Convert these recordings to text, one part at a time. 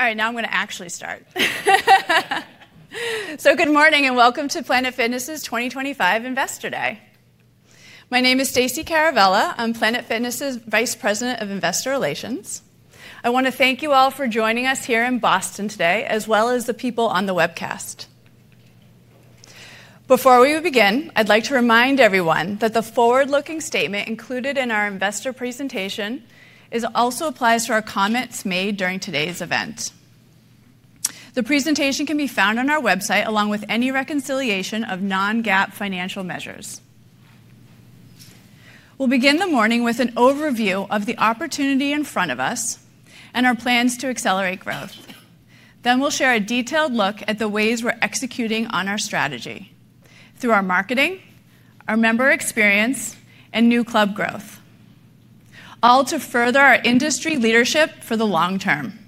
All right, now I'm going to actually start. So good morning and welcome to Planet Fitness's 2025 Investor Day. My name is Stacey Caravella. I'm Planet Fitness's Vice President of Investor Relations. I want to thank you all for joining us here in Boston today, as well as the people on the webcast. Before we begin, I'd like to remind everyone that the forward-looking statement included in our investor presentation also applies to our comments made during today's event. The presentation can be found on our website, along with any reconciliation of non-GAAP financial measures. We'll begin the morning with an overview of the opportunity in front of us and our plans to accelerate growth. Then we'll share a detailed look at the ways we're executing on our strategy through our marketing, our member experience, and new club growth, all to further our industry leadership for the long term.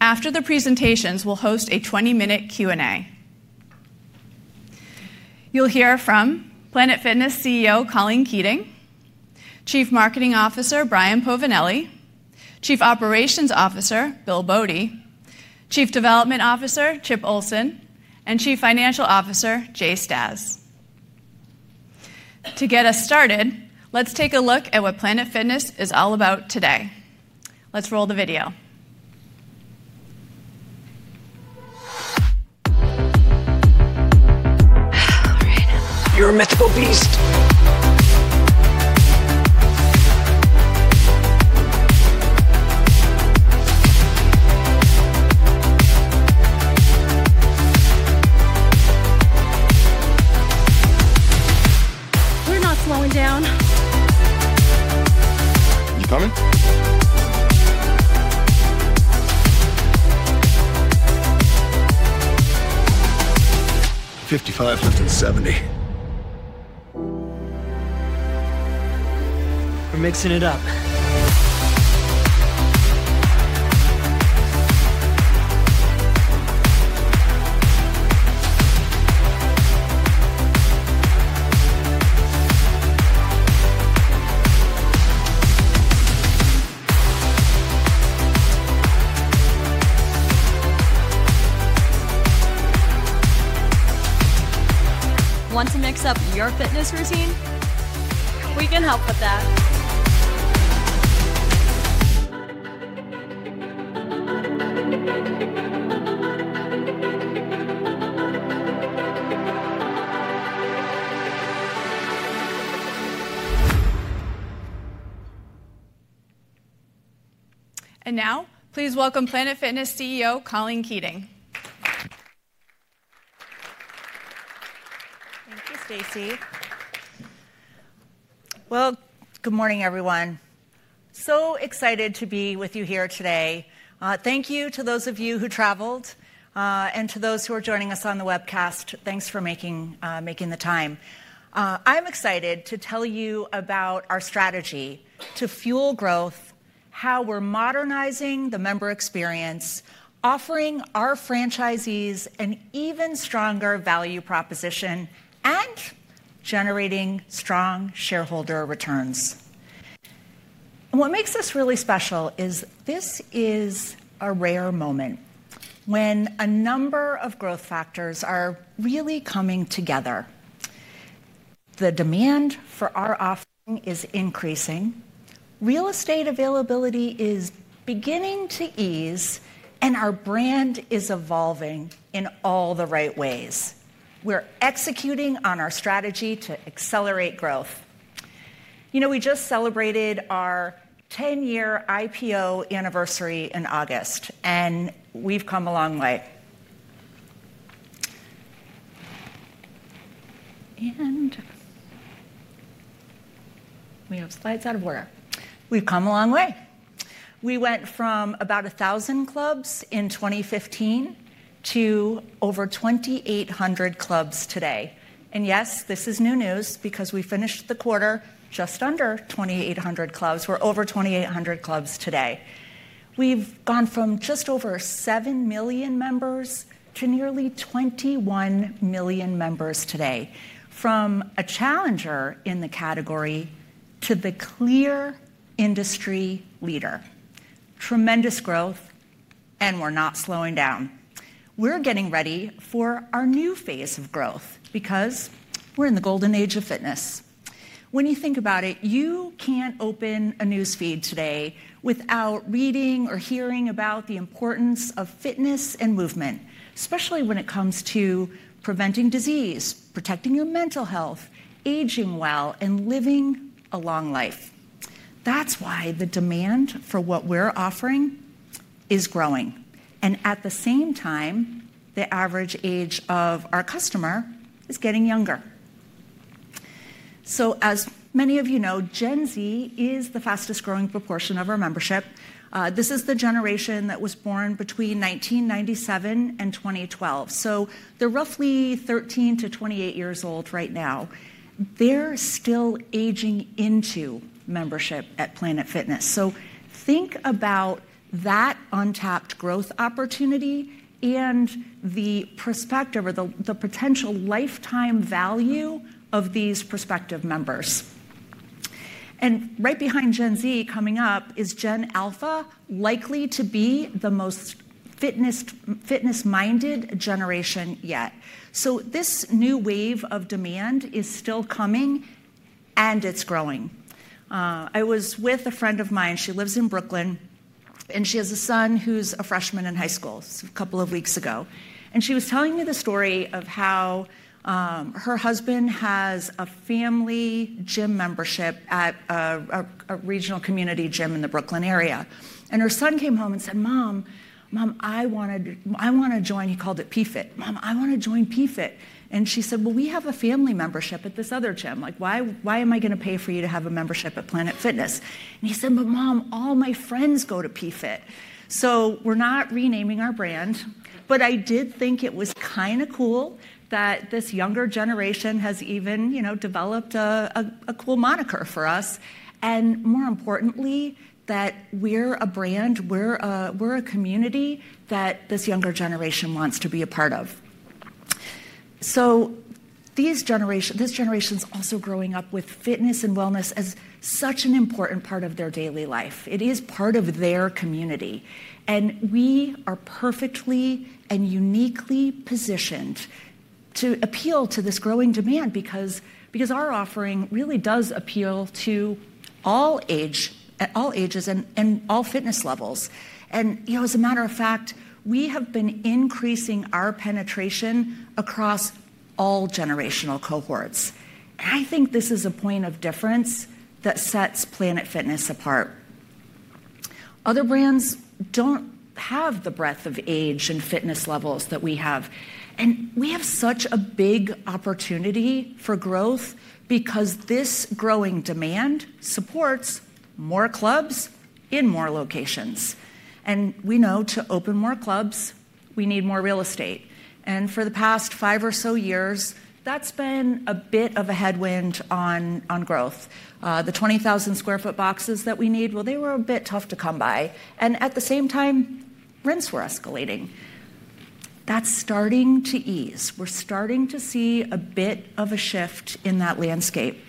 After the presentations, we'll host a 20-minute Q&A. You'll hear from Planet Fitness CEO Colleen Keating, Chief Marketing Officer Brian Povinelli, Chief Operations Officer Bill Bode, Chief Development Officer Chip Ohlsson, and Chief Financial Officer Jay Stasz. To get us started, let's take a look at what Planet Fitness is all about today. Let's roll the video. You're a mythical beast. We're not slowing down. You coming? 55, lifting 70. We're mixing it up. Want to mix up your fitness routine? We can help with that. Now, please welcome Planet Fitness CEO Colleen Keating. Thank you, Stacey. Good morning, everyone. So excited to be with you here today. Thank you to those of you who traveled and to those who are joining us on the webcast. Thanks for making the time. I'm excited to tell you about our strategy to fuel growth, how we're modernizing the member experience, offering our franchisees an even stronger value proposition, and generating strong shareholder returns. What makes this really special is this is a rare moment when a number of growth factors are really coming together. The demand for our offering is increasing. Real estate availability is beginning to ease, and our brand is evolving in all the right ways. We're executing on our strategy to accelerate growth. You know, we just celebrated our 10-year IPO anniversary in August, and we've come a long way. We have slides out of where. We've come a long way. We went from about 1,000 clubs in 2015 to over 2,800 clubs today. Yes, this is new news because we finished the quarter just under 2,800 clubs. We're over 2,800 clubs today. We've gone from just over 7 million members to nearly 21 million members today, from a challenger in the category to the clear industry leader. Tremendous growth, and we're not slowing down. We're getting ready for our new phase of growth because we're in the golden age of fitness. When you think about it, you can't open a newsfeed today without reading or hearing about the importance of fitness and movement, especially when it comes to preventing disease, protecting your mental health, aging well, and living a long life. That's why the demand for what we're offering is growing. At the same time, the average age of our customer is getting younger. As many of you know, Gen Z is the fastest growing proportion of our membership. This is the generation that was born between 1997 and 2012. They are roughly 13 to 28 years old right now. They are still aging into membership at Planet Fitness. Think about that untapped growth opportunity and the perspective or the potential lifetime value of these prospective members. Right behind Gen Z coming up is Gen Alpha, likely to be the most fitness-minded generation yet. This new wave of demand is still coming, and it is growing. I was with a friend of mine. She lives in Brooklyn, and she has a son who is a freshman in high school. This was a couple of weeks ago. She was telling me the story of how her husband has a family gym membership at a regional community gym in the Brooklyn area. Her son came home and said, "Mom, I want to join." He called it PFit. "Mom, I want to join PFit." She said, "We have a family membership at this other gym. Like, why am I going to pay for you to have a membership at Planet Fitness?" He said, "Mom, all my friends go to PFit." We are not renaming our brand, but I did think it was kind of cool that this younger generation has even developed a cool moniker for us. More importantly, that we are a brand, we are a community that this younger generation wants to be a part of. This generation is also growing up with fitness and wellness as such an important part of their daily life. It is part of their community. We are perfectly and uniquely positioned to appeal to this growing demand because our offering really does appeal to all ages and all fitness levels. As a matter of fact, we have been increasing our penetration across all generational cohorts. I think this is a point of difference that sets Planet Fitness apart. Other brands do not have the breadth of age and fitness levels that we have. We have such a big opportunity for growth because this growing demand supports more clubs in more locations. We know to open more clubs, we need more real estate. For the past five or so years, that's been a bit of a headwind on growth. The 20,000 sq ft boxes that we need, well, they were a bit tough to come by. At the same time, rents were escalating. That's starting to ease. We're starting to see a bit of a shift in that landscape.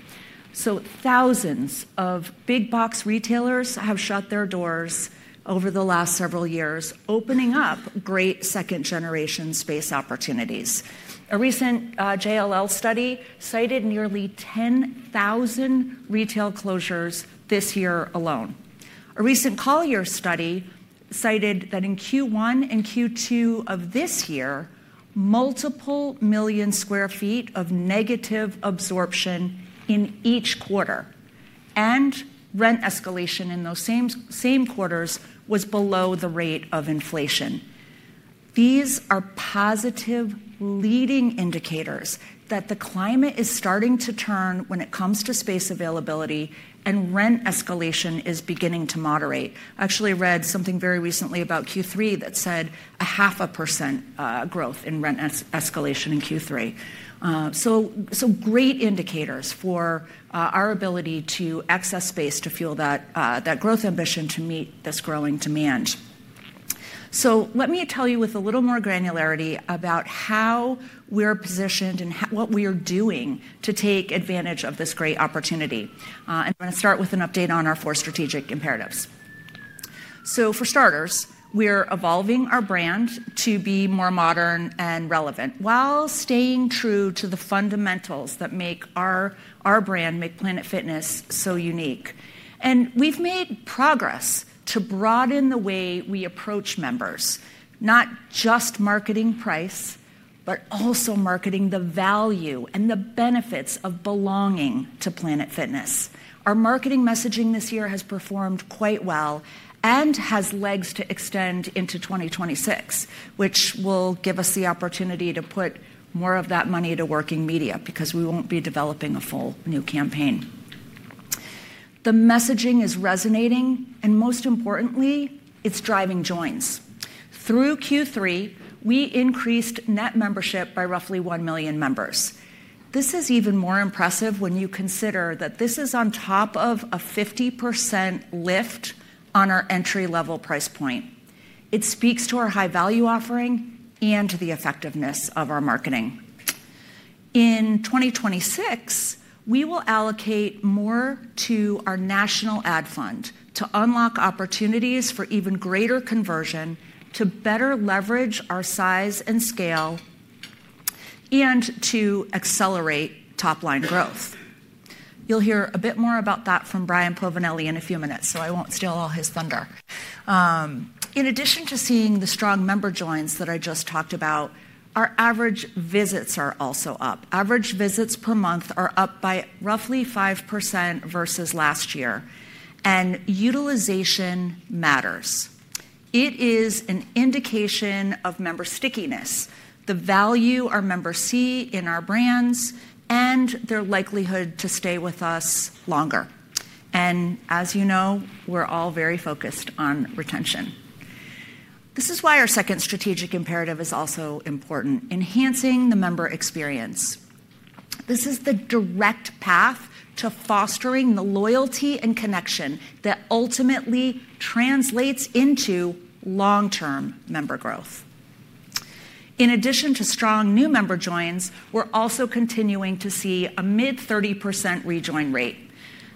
Thousands of big box retailers have shut their doors over the last several years, opening up great second-generation space opportunities. A recent JLL study cited nearly 10,000 retail closures this year alone. A recent Colliers study cited that in Q1 and Q2 of this year, multiple million sq ft of negative absorption in each quarter. Rent escalation in those same quarters was below the rate of inflation. These are positive leading indicators that the climate is starting to turn when it comes to space availability and rent escalation is beginning to moderate. I actually read something very recently about Q3 that said a 0.5% growth in rent escalation in Q3. Great indicators for our ability to access space to fuel that growth ambition to meet this growing demand. Let me tell you with a little more granularity about how we're positioned and what we are doing to take advantage of this great opportunity. I'm going to start with an update on our four strategic imperatives. For starters, we're evolving our brand to be more modern and relevant while staying true to the fundamentals that make our brand, make Planet Fitness so unique. We have made progress to broaden the way we approach members, not just marketing price, but also marketing the value and the benefits of belonging to Planet Fitness. Our marketing messaging this year has performed quite well and has legs to extend into 2026, which will give us the opportunity to put more of that money to working media because we will not be developing a full new campaign. The messaging is resonating, and most importantly, it is driving joins. Through Q3, we increased net membership by roughly 1 million members. This is even more impressive when you consider that this is on top of a 50% lift on our entry-level price point. It speaks to our high-value offering and to the effectiveness of our marketing. In 2026, we will allocate more to our national ad fund to unlock opportunities for even greater conversion, to better leverage our size and scale, and to accelerate top-line growth. You'll hear a bit more about that from Brian Povinelli in a few minutes, so I won't steal all his thunder. In addition to seeing the strong member joins that I just talked about, our average visits are also up. Average visits per month are up by roughly 5% versus last year. Utilization matters. It is an indication of member stickiness, the value our members see in our brands, and their likelihood to stay with us longer. As you know, we're all very focused on retention. This is why our second strategic imperative is also important: enhancing the member experience. This is the direct path to fostering the loyalty and connection that ultimately translates into long-term member growth. In addition to strong new member joins, we're also continuing to see a mid-30% rejoin rate.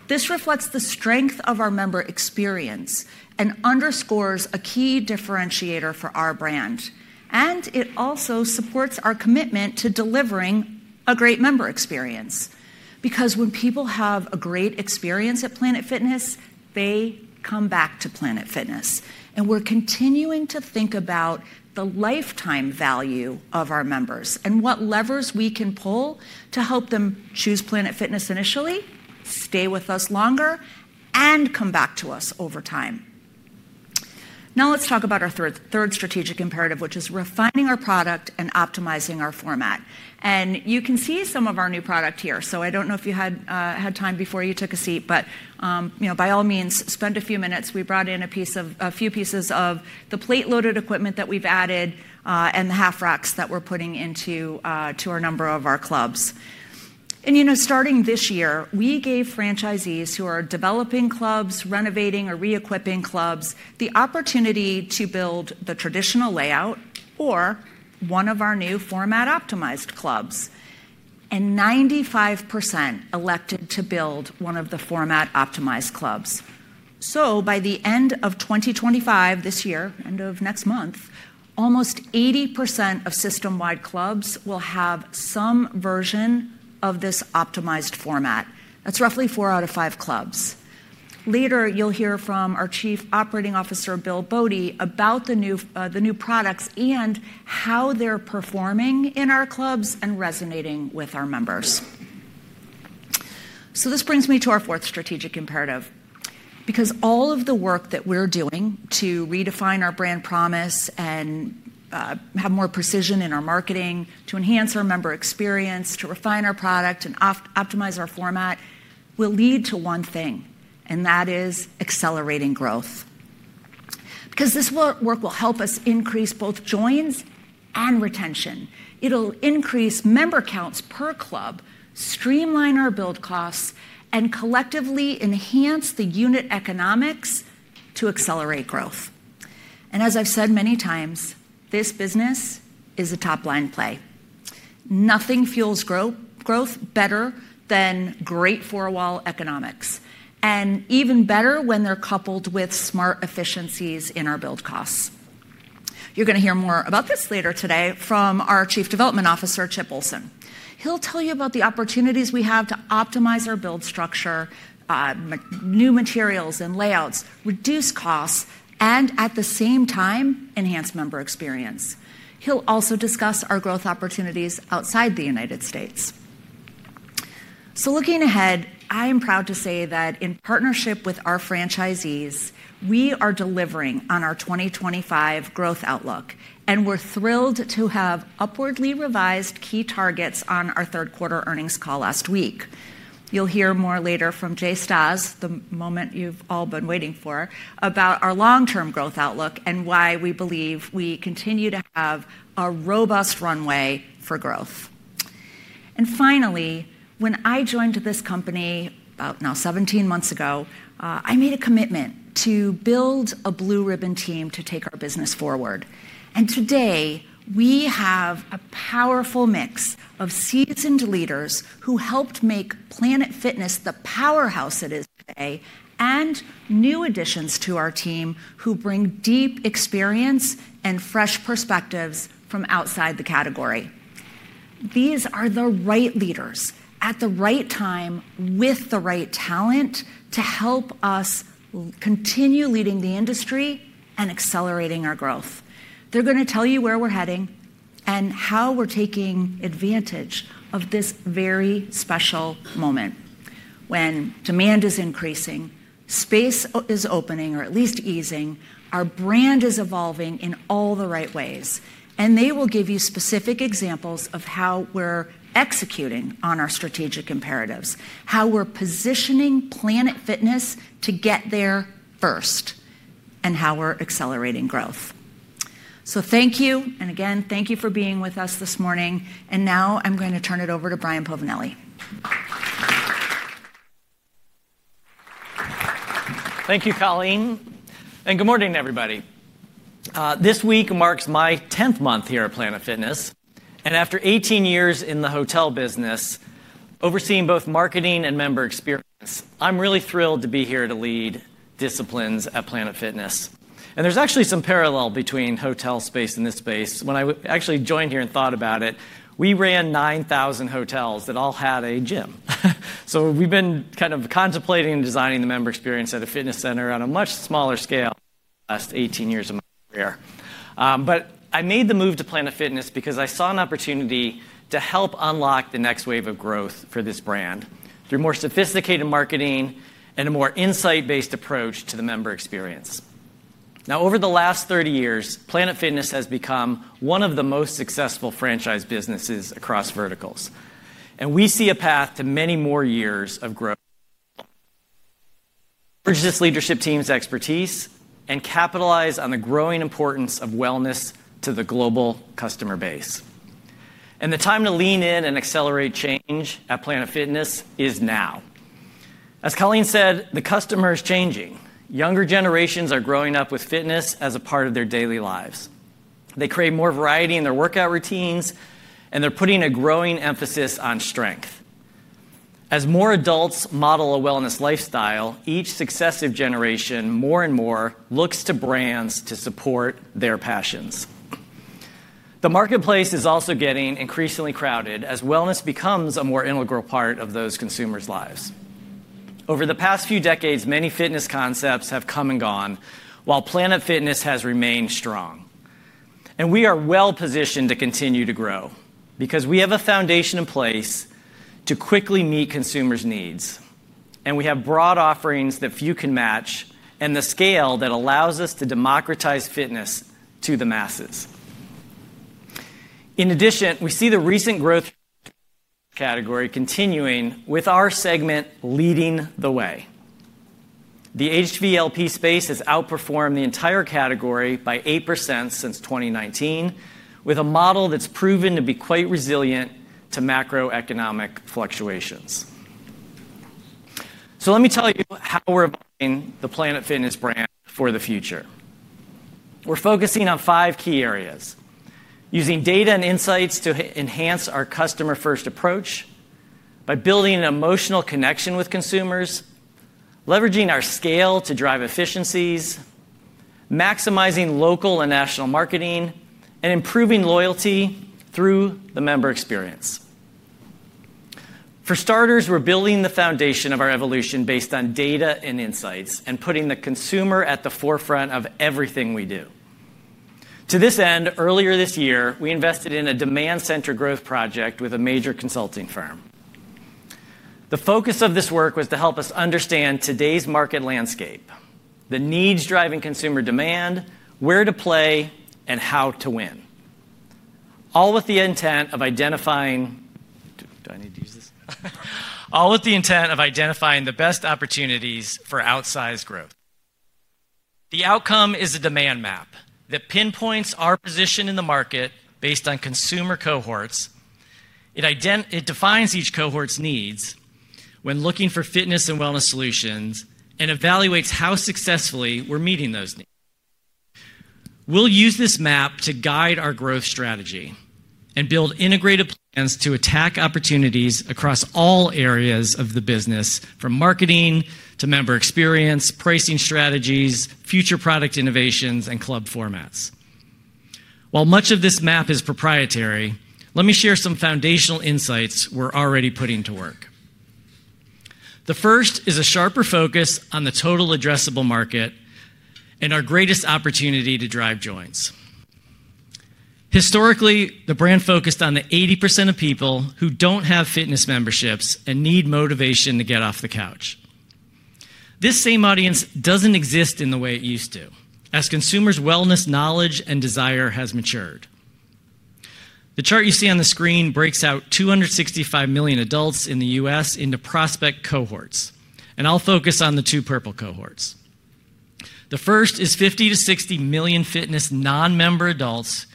This reflects the strength of our member experience and underscores a key differentiator for our brand. It also supports our commitment to delivering a great member experience. Because when people have a great experience at Planet Fitness, they come back to Planet Fitness. We're continuing to think about the lifetime value of our members and what levers we can pull to help them choose Planet Fitness initially, stay with us longer, and come back to us over time. Now let's talk about our third strategic imperative, which is refining our product and optimizing our format. You can see some of our new product here. I don't know if you had time before you took a seat, but by all means, spend a few minutes. We brought in a few pieces of the plate-loaded equipment that we've added and the half racks that we're putting into a number of our clubs. Starting this year, we gave franchisees who are developing clubs, renovating or re-equipping clubs the opportunity to build the traditional layout or one of our new format-optimized clubs. Ninety-five percent elected to build one of the format-optimized clubs. By the end of 2025, this year, end of next month, almost 80% of system-wide clubs will have some version of this optimized format. That is roughly four out of five clubs. Later, you'll hear from our Chief Operating Officer, Bill Bode, about the new products and how they're performing in our clubs and resonating with our members. This brings me to our fourth strategic imperative. Because all of the work that we're doing to redefine our brand promise and have more precision in our marketing, to enhance our member experience, to refine our product, and optimize our format will lead to one thing, and that is accelerating growth. This work will help us increase both joins and retention. It'll increase member counts per club, streamline our build costs, and collectively enhance the unit economics to accelerate growth. As I've said many times, this business is a top-line play. Nothing fuels growth better than great four-wall economics, and even better when they're coupled with smart efficiencies in our build costs. You're going to hear more about this later today from our Chief Development Officer, Chip Ohlsson. He'll tell you about the opportunities we have to optimize our build structure, new materials and layouts, reduce costs, and at the same time, enhance member experience. He'll also discuss our growth opportunities outside the United States. Looking ahead, I am proud to say that in partnership with our franchisees, we are delivering on our 2025 growth outlook. We are thrilled to have upwardly revised key targets on our third quarter earnings call last week. You'll hear more later from Jay Stasz, the moment you've all been waiting for, about our long-term growth outlook and why we believe we continue to have a robust runway for growth. Finally, when I joined this company about now 17 months ago, I made a commitment to build a Blue Ribbon team to take our business forward. Today, we have a powerful mix of seasoned leaders who helped make Planet Fitness the powerhouse it is today and new additions to our team who bring deep experience and fresh perspectives from outside the category. These are the right leaders at the right time with the right talent to help us continue leading the industry and accelerating our growth. They're going to tell you where we're heading and how we're taking advantage of this very special moment when demand is increasing, space is opening, or at least easing. Our brand is evolving in all the right ways. They will give you specific examples of how we're executing on our strategic imperatives, how we're positioning Planet Fitness to get there first, and how we're accelerating growth. Thank you. Again, thank you for being with us this morning. Now I'm going to turn it over to Brian Povinelli. Thank you, Colleen. Good morning, everybody. This week marks my 10th month here at Planet Fitness. After 18 years in the hotel business, overseeing both marketing and member experience, I'm really thrilled to be here to lead disciplines at Planet Fitness. There is actually some parallel between hotel space and this space. When I actually joined here and thought about it, we ran 9,000 hotels that all had a gym. We have been kind of contemplating and designing the member experience at a fitness center on a much smaller scale in the last 18 years of my career. I made the move to Planet Fitness because I saw an opportunity to help unlock the next wave of growth for this brand through more sophisticated marketing and a more insight-based approach to the member experience. Now, over the last 30 years, Planet Fitness has become one of the most successful franchise businesses across verticals. We see a path to many more years of growth to leverage this leadership team's expertise and capitalize on the growing importance of wellness to the global customer base. The time to lean in and accelerate change at Planet Fitness is now. As Colleen said, the customer is changing. Younger generations are growing up with fitness as a part of their daily lives. They create more variety in their workout routines, and they're putting a growing emphasis on strength. As more adults model a wellness lifestyle, each successive generation more and more looks to brands to support their passions. The marketplace is also getting increasingly crowded as wellness becomes a more integral part of those consumers' lives. Over the past few decades, many fitness concepts have come and gone while Planet Fitness has remained strong. We are well positioned to continue to grow because we have a foundation in place to quickly meet consumers' needs. We have broad offerings that few can match and the scale that allows us to democratize fitness to the masses. In addition, we see the recent growth category continuing with our segment leading the way. The HVLP space has outperformed the entire category by 8% since 2019, with a model that's proven to be quite resilient to macroeconomic fluctuations. Let me tell you how we're evolving the Planet Fitness brand for the future. We're focusing on five key areas, using data and insights to enhance our customer-first approach by building an emotional connection with consumers, leveraging our scale to drive efficiencies, maximizing local and national marketing, and improving loyalty through the member experience. For starters, we're building the foundation of our evolution based on data and insights and putting the consumer at the forefront of everything we do. To this end, earlier this year, we invested in a demand-centered growth project with a major consulting firm. The focus of this work was to help us understand today's market landscape, the needs driving consumer demand, where to play, and how to win, all with the intent of identifying the best opportunities for outsized growth. The outcome is a demand map that pinpoints our position in the market based on consumer cohorts. It defines each cohort's needs when looking for fitness and wellness solutions and evaluates how successfully we're meeting those needs. We'll use this map to guide our growth strategy and build integrated plans to attack opportunities across all areas of the business, from marketing to member experience, pricing strategies, future product innovations, and club formats. While much of this map is proprietary, let me share some foundational insights we're already putting to work. The first is a sharper focus on the total addressable market and our greatest opportunity to drive joins. Historically, the brand focused on the 80% of people who don't have fitness memberships and need motivation to get off the couch. This same audience doesn't exist in the way it used to as consumers' wellness knowledge and desire has matured. The chart you see on the screen breaks out 265 million adults in the U.S. into prospect cohorts. I'll focus on the two purple cohorts. The first is 50 million-60 million fitness non-member adults active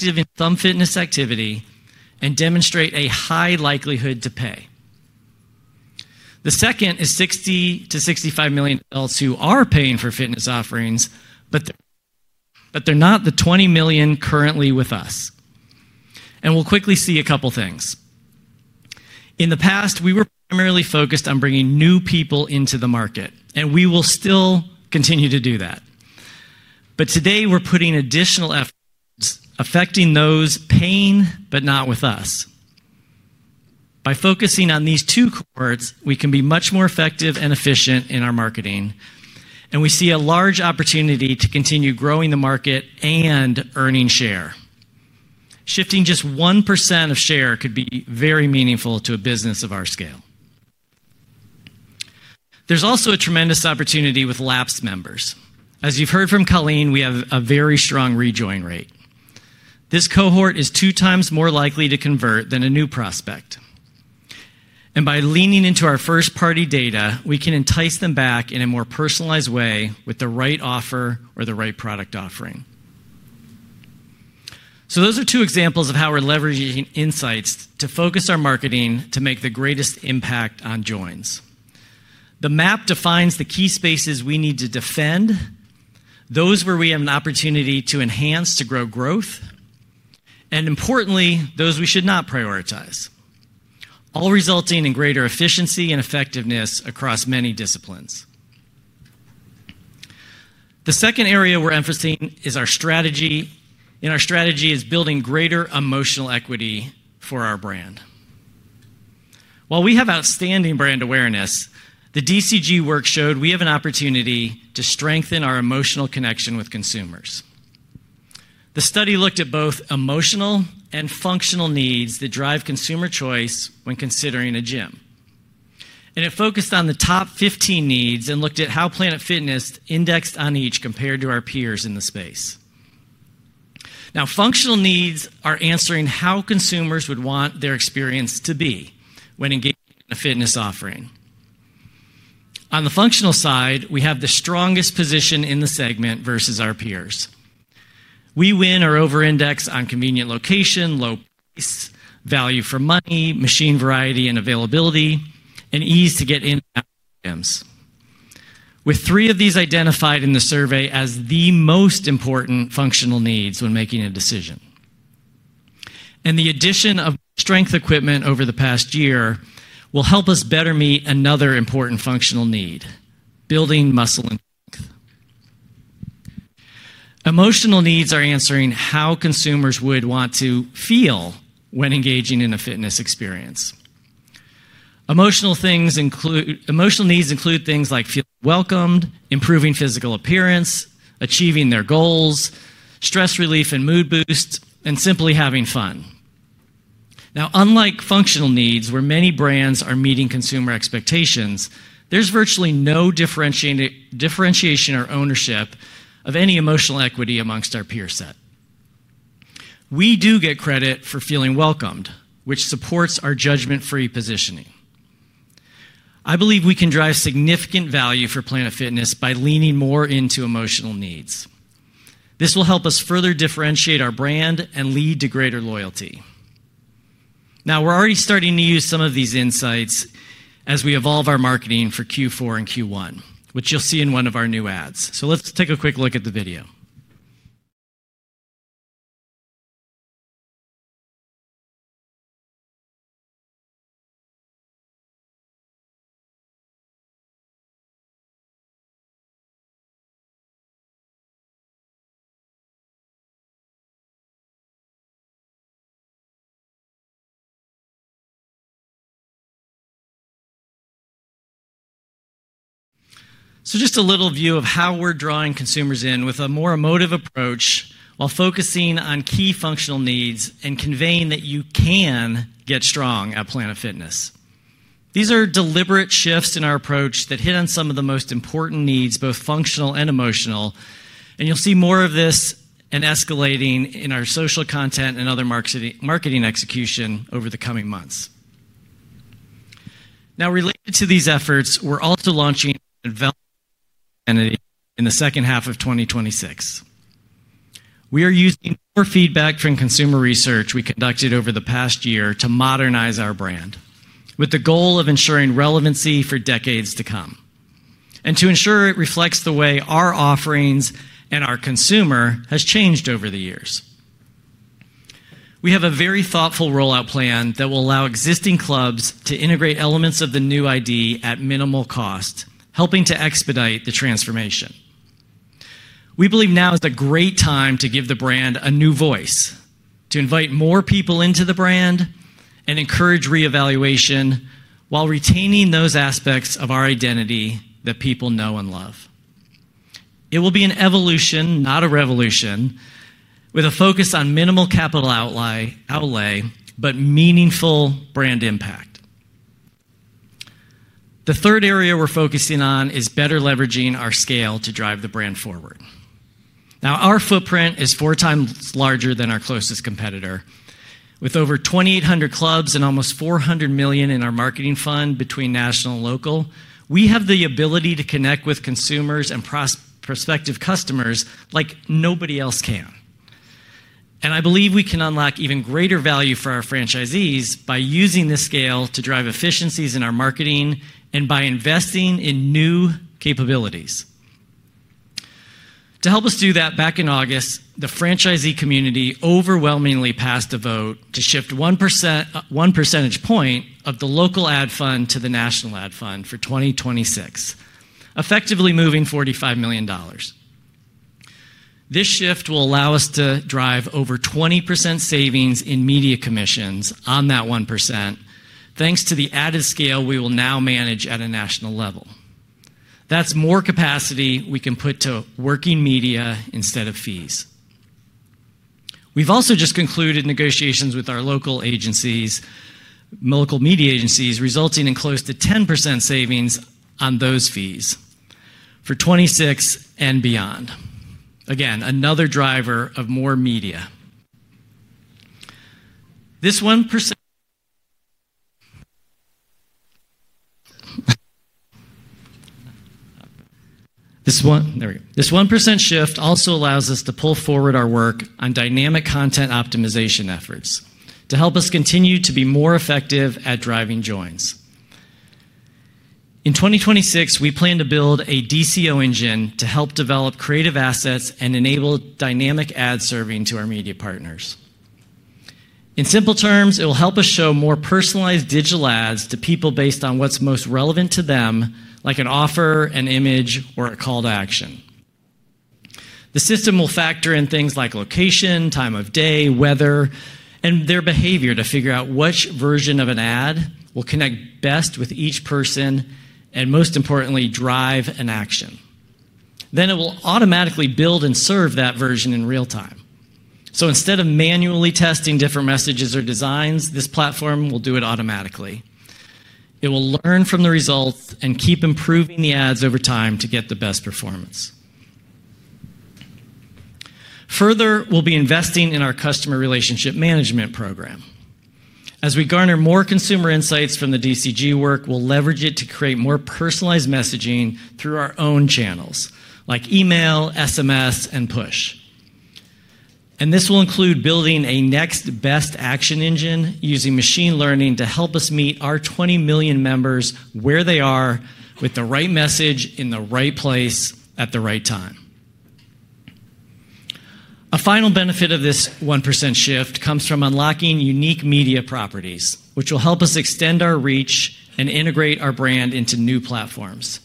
in some fitness activity and demonstrate a high likelihood to pay. The second is 60-65 million adults who are paying for fitness offerings, but they're not the 20 million currently with us. We'll quickly see a couple of things. In the past, we were primarily focused on bringing new people into the market, and we will still continue to do that. Today, we're putting additional efforts affecting those paying, but not with us. By focusing on these two cohorts, we can be much more effective and efficient in our marketing. We see a large opportunity to continue growing the market and earning share. Shifting just 1% of share could be very meaningful to a business of our scale. There's also a tremendous opportunity with lapsed members. As you've heard from Colleen, we have a very strong rejoin rate. This cohort is two times more likely to convert than a new prospect. By leaning into our first-party data, we can entice them back in a more personalized way with the right offer or the right product offering. Those are two examples of how we're leveraging insights to focus our marketing to make the greatest impact on joins. The map defines the key spaces we need to defend, those where we have an opportunity to enhance to grow growth, and importantly, those we should not prioritize, all resulting in greater efficiency and effectiveness across many disciplines. The second area we're emphasizing is our strategy, and our strategy is building greater emotional equity for our brand. While we have outstanding brand awareness, the DCG work showed we have an opportunity to strengthen our emotional connection with consumers. The study looked at both emotional and functional needs that drive consumer choice when considering a gym. It focused on the top 15 needs and looked at how Planet Fitness indexed on each compared to our peers in the space. Functional needs are answering how consumers would want their experience to be when engaging in a fitness offering. On the functional side, we have the strongest position in the segment versus our peers. We win or over-index on convenient location, low price, value for money, machine variety and availability, and ease to get in and out of gyms, with three of these identified in the survey as the most important functional needs when making a decision. The addition of strength equipment over the past year will help us better meet another important functional need: building muscle and strength. Emotional needs are answering how consumers would want to feel when engaging in a fitness experience. Emotional needs include things like feeling welcomed, improving physical appearance, achieving their goals, stress relief and mood boosts, and simply having fun. Now, unlike functional needs, where many brands are meeting consumer expectations, there is virtually no differentiation or ownership of any emotional equity amongst our peer set. We do get credit for feeling welcomed, which supports our judgment-free positioning. I believe we can drive significant value for Planet Fitness by leaning more into emotional needs. This will help us further differentiate our brand and lead to greater loyalty. Now, we're already starting to use some of these insights as we evolve our marketing for Q4 and Q1, which you'll see in one of our new ads. Let's take a quick look at the video. Just a little view of how we're drawing consumers in with a more emotive approach while focusing on key functional needs and conveying that you can get strong at Planet Fitness. These are deliberate shifts in our approach that hit on some of the most important needs, both functional and emotional. You'll see more of this escalating in our social content and other marketing execution over the coming months. Now, related to these efforts, we're also launching in the second half of 2026. We are using more feedback from consumer research we conducted over the past year to modernize our brand with the goal of ensuring relevancy for decades to come and to ensure it reflects the way our offerings and our consumer has changed over the years. We have a very thoughtful rollout plan that will allow existing clubs to integrate elements of the new ID at minimal cost, helping to expedite the transformation. We believe now is a great time to give the brand a new voice, to invite more people into the brand, and encourage reevaluation while retaining those aspects of our identity that people know and love. It will be an evolution, not a revolution, with a focus on minimal capital outlay, but meaningful brand impact. The third area we're focusing on is better leveraging our scale to drive the brand forward. Now, our footprint is four times larger than our closest competitor. With over 2,800 clubs and almost $400 million in our marketing fund between national and local, we have the ability to connect with consumers and prospective customers like nobody else can. I believe we can unlock even greater value for our franchisees by using this scale to drive efficiencies in our marketing and by investing in new capabilities. To help us do that, back in August, the franchisee community overwhelmingly passed a vote to shift one percentage point of the local ad fund to the national ad fund for 2026, effectively moving $45 million. This shift will allow us to drive over 20% savings in media commissions on that 1%, thanks to the added scale we will now manage at a national level. That is more capacity we can put to working media instead of fees. We have also just concluded negotiations with our local media agencies, resulting in close to 10% savings on those fees for 2026 and beyond. Again, another driver of more media. This 1% shift also allows us to pull forward our work on dynamic content optimization efforts to help us continue to be more effective at driving joins. In 2026, we plan to build a DCO engine to help develop creative assets and enable dynamic ad serving to our media partners. In simple terms, it will help us show more personalized digital ads to people based on what's most relevant to them, like an offer, an image, or a call to action. The system will factor in things like location, time of day, weather, and their behavior to figure out which version of an ad will connect best with each person and, most importantly, drive an action. It will automatically build and serve that version in real time. Instead of manually testing different messages or designs, this platform will do it automatically. It will learn from the results and keep improving the ads over time to get the best performance. Further, we'll be investing in our customer relationship management program. As we garner more consumer insights from the DCG work, we'll leverage it to create more personalized messaging through our own channels, like email, SMS, and push. This will include building a next best action engine using machine learning to help us meet our 20 million members where they are with the right message in the right place at the right time. A final benefit of this 1% shift comes from unlocking unique media properties, which will help us extend our reach and integrate our brand into new platforms.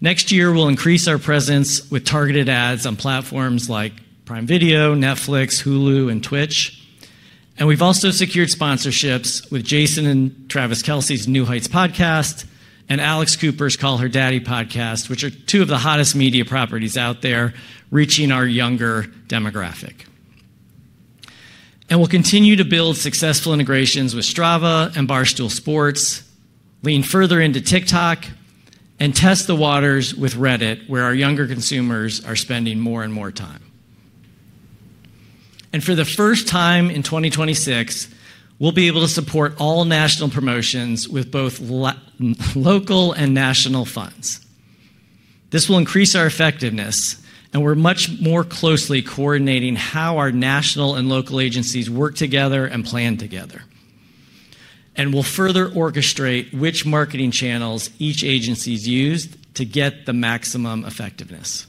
Next year, we'll increase our presence with targeted ads on platforms like Prime Video, Netflix, Hulu, and Twitch. We have also secured sponsorships with Jason & Travis Kelce's New Heights podcast and Alex Cooper's Call Her Daddy podcast, which are two of the hottest media properties out there reaching our younger demographic. We will continue to build successful integrations with Strava and Barstool Sports, lean further into TikTok, and test the waters with Reddit, where our younger consumers are spending more and more time. For the first time in 2026, we will be able to support all national promotions with both local and national funds. This will increase our effectiveness, and we are much more closely coordinating how our national and local agencies work together and plan together. We will further orchestrate which marketing channels each agency uses to get the maximum effectiveness.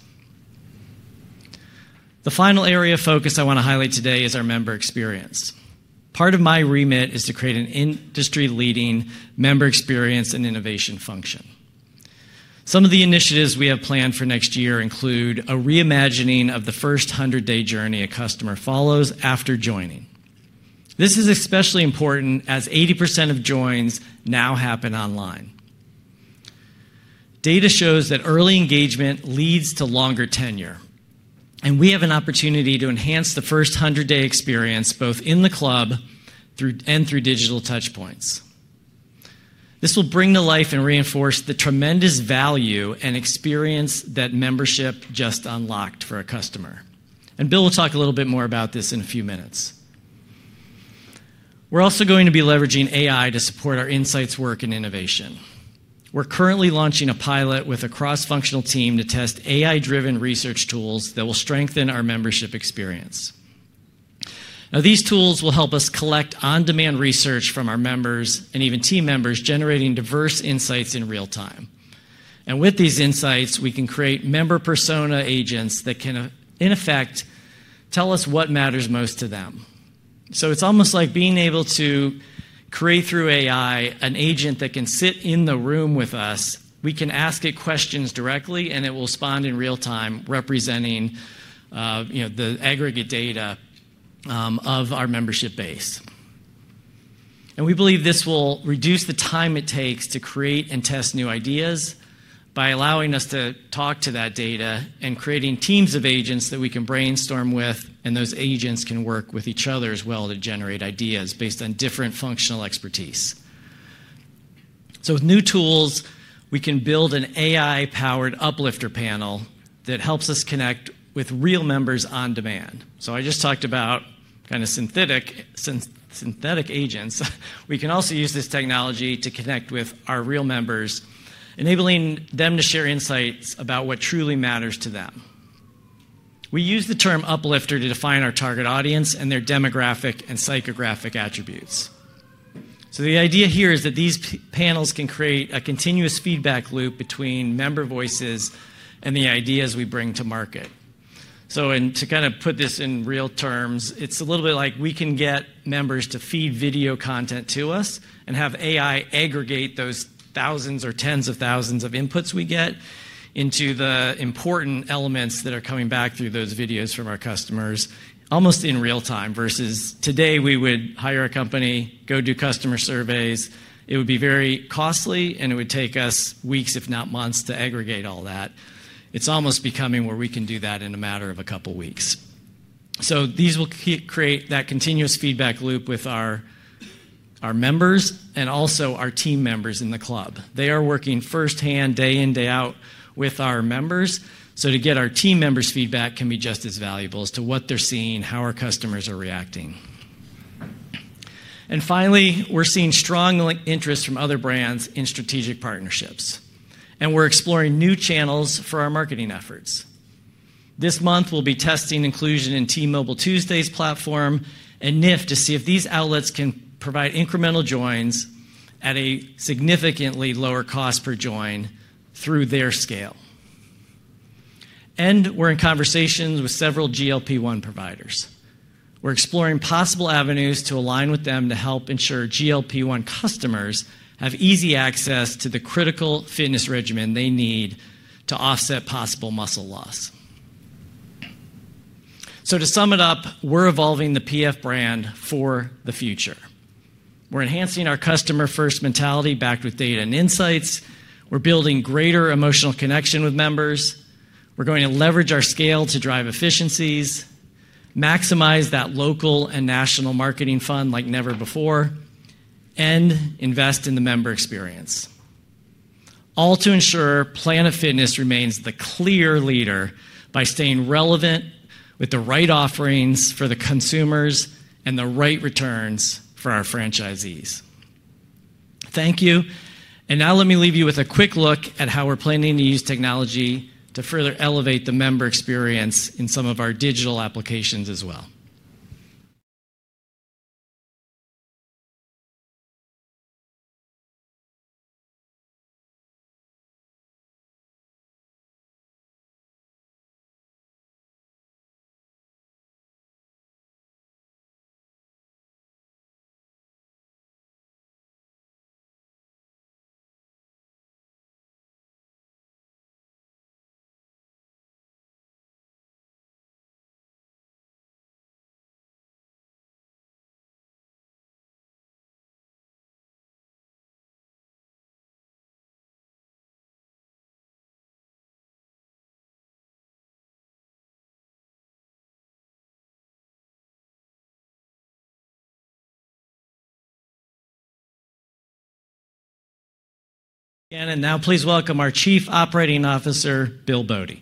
The final area of focus I want to highlight today is our member experience. Part of my remit is to create an industry-leading member experience and innovation function. Some of the initiatives we have planned for next year include a reimagining of the first 100-day journey a customer follows after joining. This is especially important as 80% of joins now happen online. Data shows that early engagement leads to longer tenure, and we have an opportunity to enhance the first 100-day experience both in the club and through digital touchpoints. This will bring to life and reinforce the tremendous value and experience that membership just unlocked for a customer. Bill will talk a little bit more about this in a few minutes. We're also going to be leveraging AI to support our insights work and innovation. We're currently launching a pilot with a cross-functional team to test AI-driven research tools that will strengthen our membership experience. Now, these tools will help us collect on-demand research from our members and even team members, generating diverse insights in real time. With these insights, we can create member persona agents that can, in effect, tell us what matters most to them. It is almost like being able to create through AI an agent that can sit in the room with us. We can ask it questions directly, and it will respond in real time, representing the aggregate data of our membership base. We believe this will reduce the time it takes to create and test new ideas by allowing us to talk to that data and creating teams of agents that we can brainstorm with, and those agents can work with each other as well to generate ideas based on different functional expertise. With new tools, we can build an AI-powered uplifter panel that helps us connect with real members on demand. I just talked about kind of synthetic agents. We can also use this technology to connect with our real members, enabling them to share insights about what truly matters to them. We use the term uplifter to define our target audience and their demographic and psychographic attributes. The idea here is that these panels can create a continuous feedback loop between member voices and the ideas we bring to market. To kind of put this in real terms, it's a little bit like we can get members to feed video content to us and have AI aggregate those thousands or tens of thousands of inputs we get into the important elements that are coming back through those videos from our customers, almost in real time, versus today we would hire a company, go do customer surveys. It would be very costly, and it would take us weeks, if not months, to aggregate all that. It's almost becoming where we can do that in a matter of a couple of weeks. These will create that continuous feedback loop with our members and also our team members in the club. They are working firsthand, day in, day out with our members. To get our team members' feedback can be just as valuable as to what they're seeing, how our customers are reacting. Finally, we're seeing strong interest from other brands in strategic partnerships, and we're exploring new channels for our marketing efforts. This month, we'll be testing inclusion in T-Mobile Tuesdays platform and Nift to see if these outlets can provide incremental joins at a significantly lower cost per join through their scale. We're in conversations with several GLP-1 providers. We're exploring possible avenues to align with them to help ensure GLP-1 customers have easy access to the critical fitness regimen they need to offset possible muscle loss. To sum it up, we're evolving the PF brand for the future. We're enhancing our customer-first mentality backed with data and insights. We're building greater emotional connection with members. We're going to leverage our scale to drive efficiencies, maximize that local and national marketing fund like never before, and invest in the member experience, all to ensure Planet Fitness remains the clear leader by staying relevant with the right offerings for the consumers and the right returns for our franchisees. Thank you. Now let me leave you with a quick look at how we're planning to use technology to further elevate the member experience in some of our digital applications as well. Now please welcome our Chief Operating Officer, Bill Bode.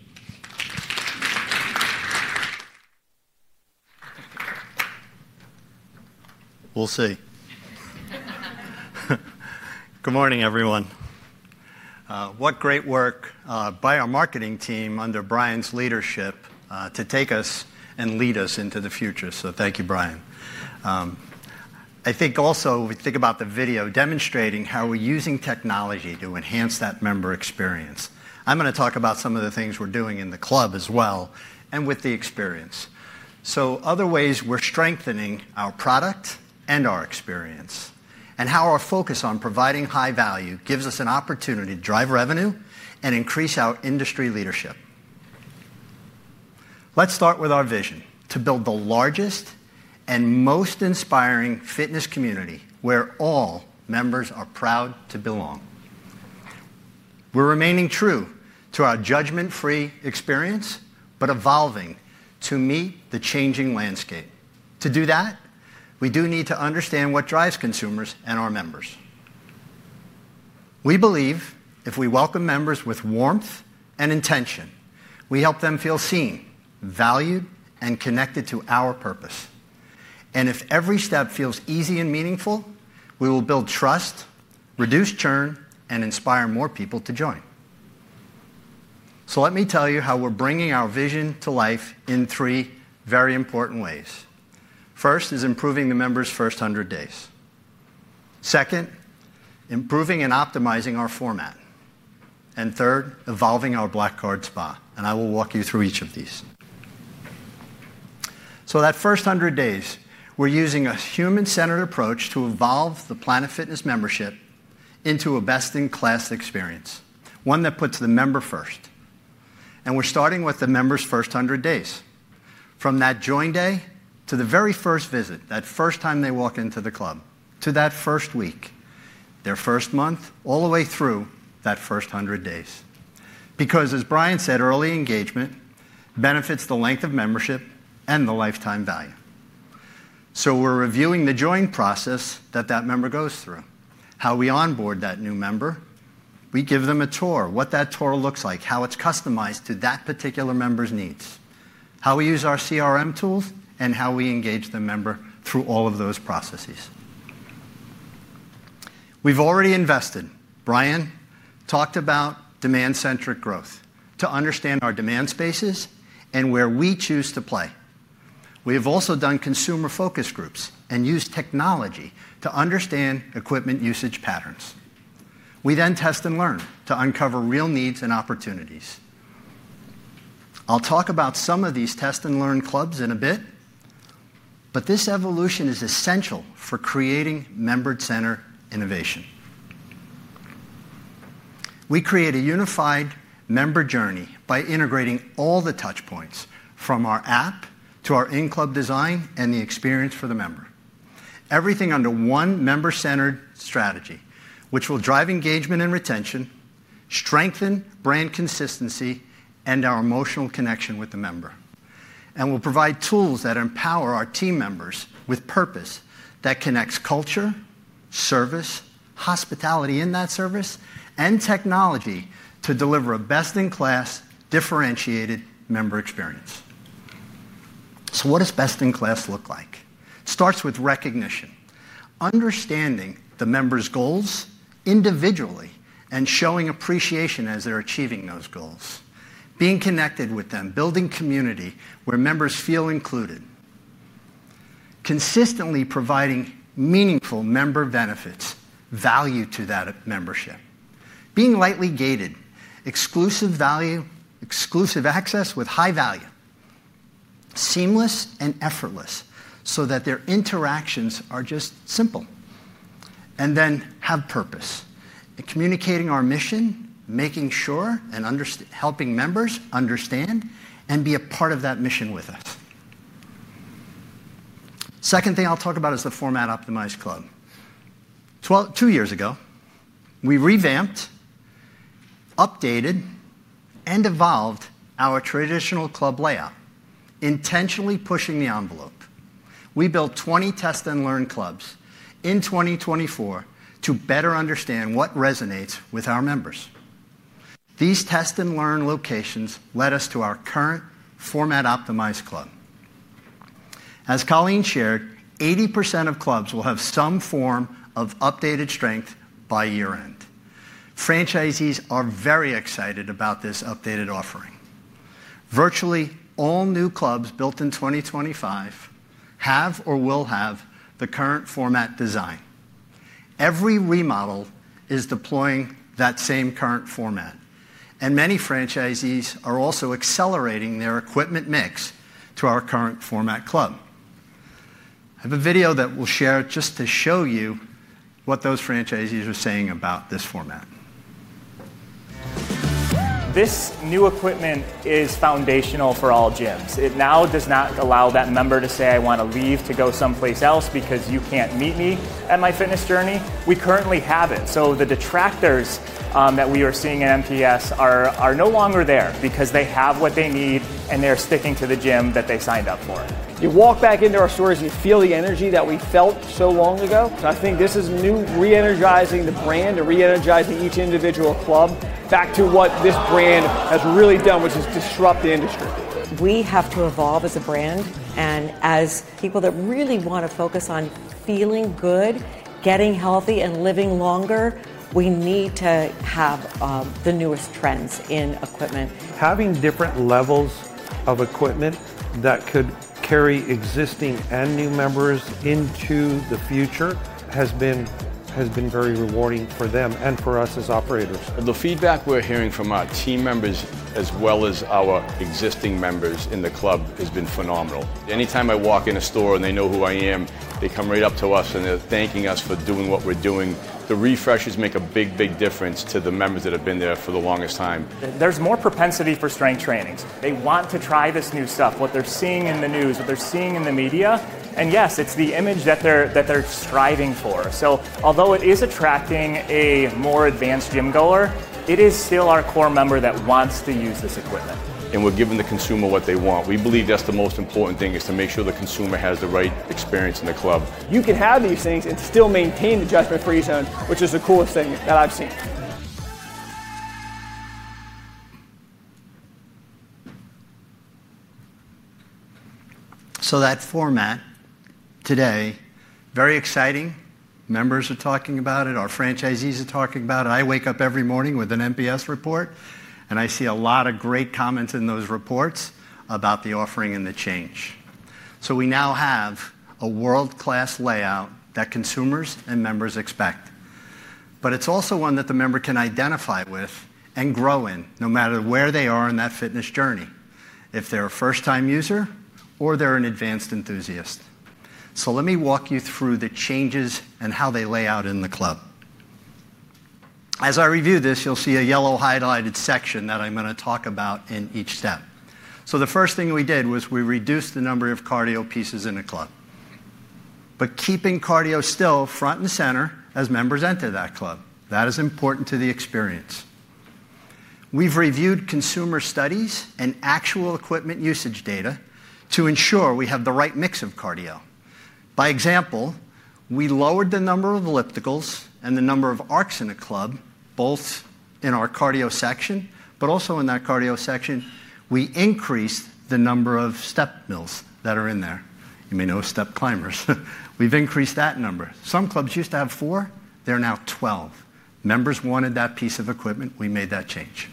Good morning, everyone. What great work by our marketing team under Brian's leadership to take us and lead us into the future. Thank you, Brian. I think also we think about the video demonstrating how we're using technology to enhance that member experience. I'm going to talk about some of the things we're doing in the club as well and with the experience. Other ways we're strengthening our product and our experience and how our focus on providing high value gives us an opportunity to drive revenue and increase our industry leadership. Let's start with our vision to build the largest and most inspiring fitness community where all members are proud to belong. We're remaining true to our judgment-free experience, but evolving to meet the changing landscape. To do that, we do need to understand what drives consumers and our members. We believe if we welcome members with warmth and intention, we help them feel seen, valued, and connected to our purpose. If every step feels easy and meaningful, we will build trust, reduce churn, and inspire more people to join. Let me tell you how we're bringing our vision to life in three very important ways. First is improving the members' first 100 days. Second, improving and optimizing our format. Third, evolving our Black Card Spa. I will walk you through each of these. That first 100 days, we're using a human-centered approach to evolve the Planet Fitness membership into a best-in-class experience, one that puts the member first. We're starting with the members' first 100 days, from that join day to the very first visit, that first time they walk into the club, to that first week, their first month, all the way through that first 100 days. Because as Brian said, early engagement benefits the length of membership and the lifetime value. We're reviewing the join process that that member goes through, how we onboard that new member. We give them a tour, what that tour looks like, how it's customized to that particular member's needs, how we use our CRM tools, and how we engage the member through all of those processes. We've already invested. Brian talked about demand-centric growth to understand our demand spaces and where we choose to play. We have also done consumer-focused groups and used technology to understand equipment usage patterns. We then test and learn to uncover real needs and opportunities. I'll talk about some of these test and learn clubs in a bit, but this evolution is essential for creating member-centered innovation. We create a unified member journey by integrating all the touchpoints from our app to our in-club design and the experience for the member. Everything under one member-centered strategy, which will drive engagement and retention, strengthen brand consistency, and our emotional connection with the member. We will provide tools that empower our team members with purpose that connects culture, service, hospitality in that service, and technology to deliver a best-in-class, differentiated member experience. What does best-in-class look like? It starts with recognition, understanding the members' goals individually and showing appreciation as they're achieving those goals, being connected with them, building community where members feel included, consistently providing meaningful member benefits, value to that membership, being lightly gated, exclusive value, exclusive access with high value, seamless and effortless so that their interactions are just simple, and then have purpose in communicating our mission, making sure and helping members understand and be a part of that mission with us. The second thing I'll talk about is the Format Optimized Club. Two years ago, we revamped, updated, and evolved our traditional club layout, intentionally pushing the envelope. We built 20 test and learn clubs in 2024 to better understand what resonates with our members. These test and learn locations led us to our current Format Optimized Club. As Colleen shared, 80% of clubs will have some form of updated strength by year-end. Franchisees are very excited about this updated offering. Virtually all new clubs built in 2025 have or will have the current format design. Every remodel is deploying that same current format. Many franchisees are also accelerating their equipment mix to our current format club. I have a video that we will share just to show you what those franchisees are saying about this format. This new equipment is foundational for all gyms. It now does not allow that member to say, "I want to leave to go someplace else because you cannot meet me at my fitness journey." We currently have it. The detractors that we are seeing at MTS are no longer there because they have what they need, and they're sticking to the gym that they signed up for. You walk back into our stores, and you feel the energy that we felt so long ago. I think this is new, re-energizing the brand, re-energizing each individual club back to what this brand has really done, which is disrupt the industry. We have to evolve as a brand. As people that really want to focus on feeling good, getting healthy, and living longer, we need to have the newest trends in equipment. Having different levels of equipment that could carry existing and new members into the future has been very rewarding for them and for us as operators. The feedback we're hearing from our team members as well as our existing members in the club has been phenomenal. Anytime I walk in a store and they know who I am, they come right up to us, and they're thanking us for doing what we're doing. The refreshers make a big, big difference to the members that have been there for the longest time. There's more propensity for strength trainings. They want to try this new stuff, what they're seeing in the news, what they're seeing in the media. Yes, it's the image that they're striving for. Although it is attracting a more advanced gym-goer, it is still our core member that wants to use this equipment. We're giving the consumer what they want. We believe that's the most important thing, is to make sure the consumer has the right experience in the club. You can have these things and still maintain the judgment-free zone, which is the coolest thing that I've seen. That format today, very exciting. Members are talking about it. Our franchisees are talking about it. I wake up every morning with an MPS report, and I see a lot of great comments in those reports about the offering and the change. We now have a world-class layout that consumers and members expect. It is also one that the member can identify with and grow in, no matter where they are in that fitness journey, if they are a first-time user or they are an advanced enthusiast. Let me walk you through the changes and how they lay out in the club. As I review this, you will see a yellow highlighted section that I am going to talk about in each step. The first thing we did was we reduced the number of Cardio pieces in a club, but keeping Cardio still front and center as members enter that club. That is important to the experience. We've reviewed consumer studies and actual equipment usage data to ensure we have the right mix of Cardio. By example, we lowered the number of ellipticals and the number of arcs in a club, both in our Cardio section, but also in that Cardio section, we increased the number of step mills that are in there. You may know step climbers. We've increased that number. Some clubs used to have four. They're now 12. Members wanted that piece of equipment. We made that change.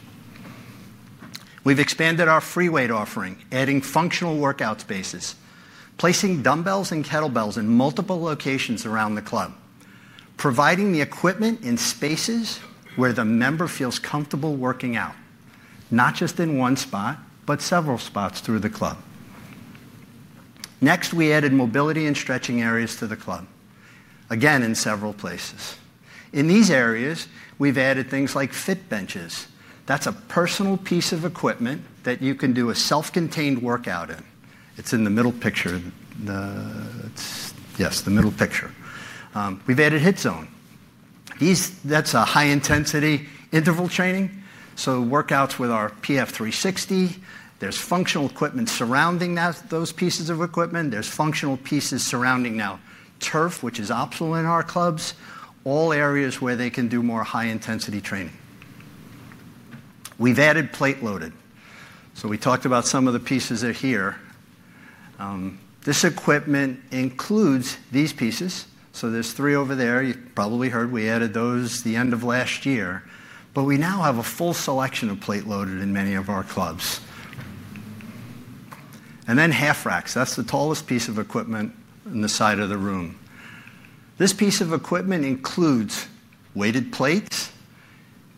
We've expanded our free weight offering, adding functional workout spaces, placing dumbbells and kettlebells in multiple locations around the club, providing the equipment in spaces where the member feels comfortable working out, not just in one spot, but several spots through the club. Next, we added mobility and stretching areas to the club, again in several places. In these areas, we've added things like Fitbenches. That's a personal piece of equipment that you can do a self-contained workout in. It's in the middle picture. Yes, the middle picture. We've added HIIT Zone. That's a high-intensity interval training. So workouts with our PF 360. There's functional equipment surrounding those pieces of equipment. There's functional pieces surrounding now turf, which is optional in our clubs, all areas where they can do more high-intensity training. We've added plate loaded. So we talked about some of the pieces that are here. This equipment includes these pieces. There are three over there. You probably heard we added those at the end of last year. We now have a full selection of plate-loaded in many of our clubs. Half racks are the tallest piece of equipment in the side of the room. This piece of equipment includes weighted plates,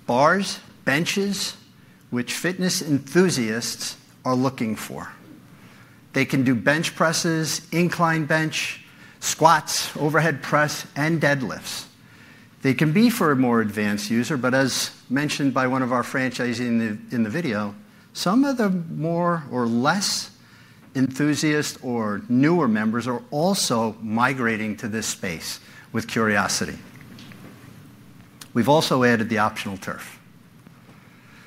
bars, benches, which fitness enthusiasts are looking for. They can do bench presses, incline bench, squats, overhead press, and deadlifts. They can be for a more advanced user, but as mentioned by one of our franchisees in the video, some of the more or less enthusiast or newer members are also migrating to this space with curiosity. We have also added the optional turf.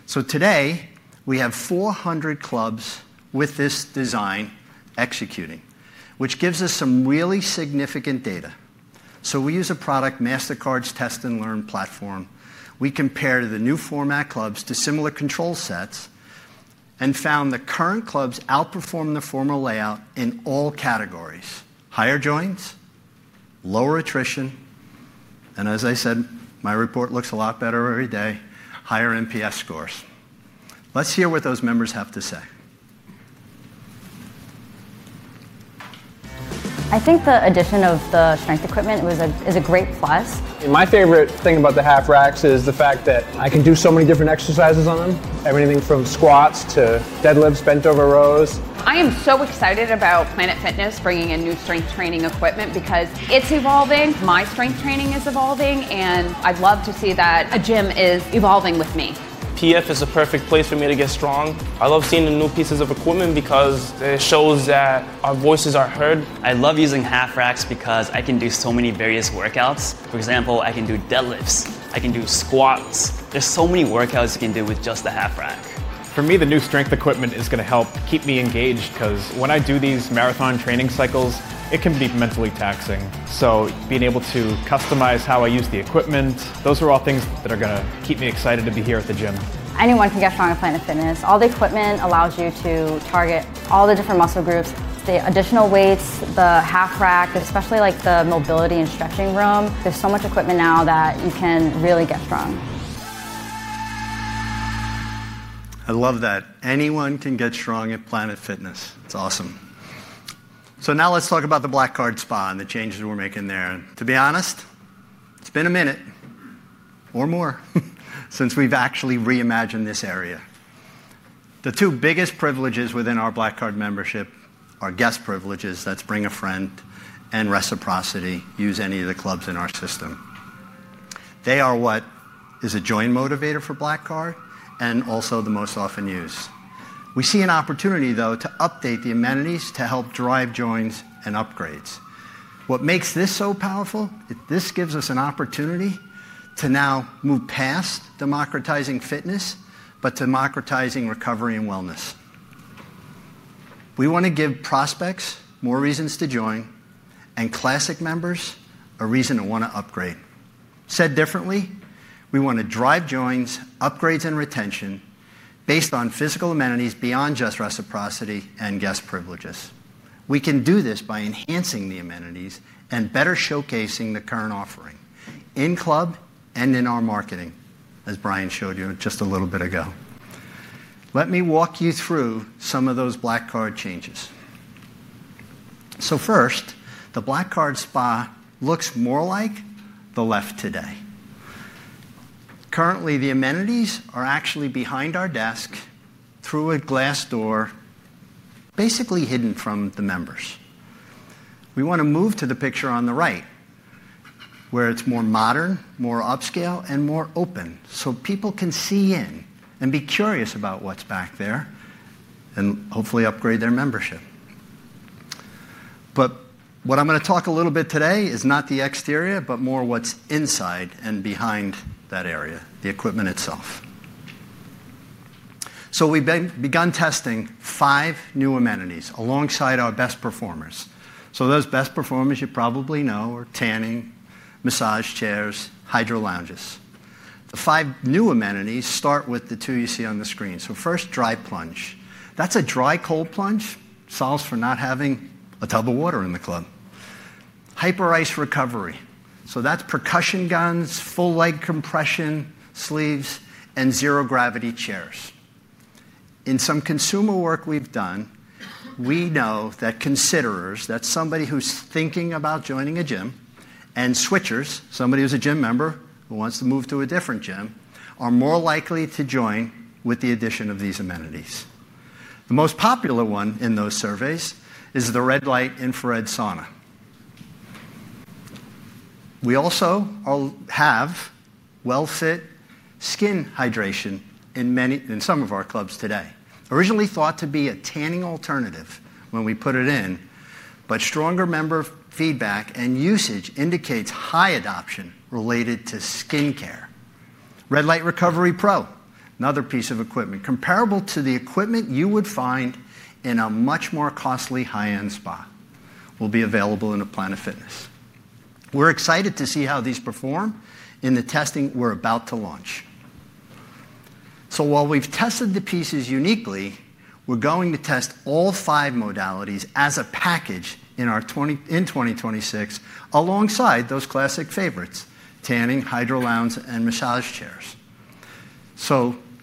Today, we have 400 clubs with this design executing, which gives us some really significant data. We use a product, Mastercard's Test & Learn platform. We compare the new format clubs to similar control sets and found the current clubs outperform the former layout in all categories: higher joins, lower attrition. As I said, my report looks a lot better every day. Higher MPS scores. Let's hear what those members have to say. I think the addition of the strength equipment is a great plus. My favorite thing about the half racks is the fact that I can do so many different exercises on them, everything from squats to deadlifts, bent over rows. I am so excited about Planet Fitness bringing in new strength training equipment because it's evolving. My strength training is evolving, and I'd love to see that a gym is evolving with me. PF is a perfect place for me to get strong. I love seeing the new pieces of equipment because it shows that our voices are heard. I love using half racks because I can do so many various workouts. For example, I can do deadlifts. I can do squats. There are so many workouts you can do with just the half rack. For me, the new strength equipment is going to help keep me engaged because when I do these marathon training cycles, it can be mentally taxing. Being able to customize how I use the equipment, those are all things that are going to keep me excited to be here at the gym. Anyone can get strong at Planet Fitness. All the equipment allows you to target all the different muscle groups, the additional weights, the half rack, especially the mobility and stretching room. There is so much equipment now that you can really get strong. I love that anyone can get strong at Planet Fitness. It's awesome. Now let's talk about the Black Card Spa and the changes we're making there. To be honest, it's been a minute or more since we've actually reimagined this area. The two biggest privileges within our Black Card membership are guest privileges that bring a friend and reciprocity to use any of the clubs in our system. They are what is a joint motivator for Black Card and also the most often used. We see an opportunity, though, to update the amenities to help drive joins and upgrades. What makes this so powerful is this gives us an opportunity to now move past democratizing fitness, but democratizing recovery and wellness. We want to give prospects more reasons to join and Classic members a reason to want to upgrade. Said differently, we want to drive joins, upgrades, and retention based on physical amenities beyond just reciprocity and guest privileges. We can do this by enhancing the amenities and better showcasing the current offering in club and in our marketing, as Brian showed you just a little bit ago. Let me walk you through some of those Black Card changes. First, the Black Card Spa looks more like the left today. Currently, the amenities are actually behind our desk through a glass door, basically hidden from the members. We want to move to the picture on the right, where it is more modern, more upscale, and more open so people can see in and be curious about what is back there and hopefully upgrade their membership. What I am going to talk a little bit about today is not the exterior, but more what is inside and behind that area, the equipment itself. We have begun testing five new amenities alongside our best performers. Those best performers you probably know are tanning, massage chairs, hydro lounges. The five new amenities start with the two you see on the screen. First, dry plunge. That's a dry cold plunge. Solves for not having a tub of water in the club. Hyperice Recovery. That's percussion guns, full leg compression sleeves, and zero gravity chairs. In some consumer work we've done, we know that considerers, that's somebody who's thinking about joining a gym, and switchers, somebody who's a gym member who wants to move to a different gym, are more likely to join with the addition of these amenities. The most popular one in those surveys is the red light infrared sauna. We also have WellFit Skin Hydration in some of our clubs today, originally thought to be a tanning alternative when we put it in, but stronger member feedback and usage indicates high adoption related to skin care. Red Light Recovery Pro, another piece of equipment comparable to the equipment you would find in a much more costly high-end spa, will be available in a Planet Fitness. We're excited to see how these perform in the testing we're about to launch. While we've tested the pieces uniquely, we're going to test all five modalities as a package in 2026 alongside those classic favorites, tanning, hydro lounge, and massage chairs.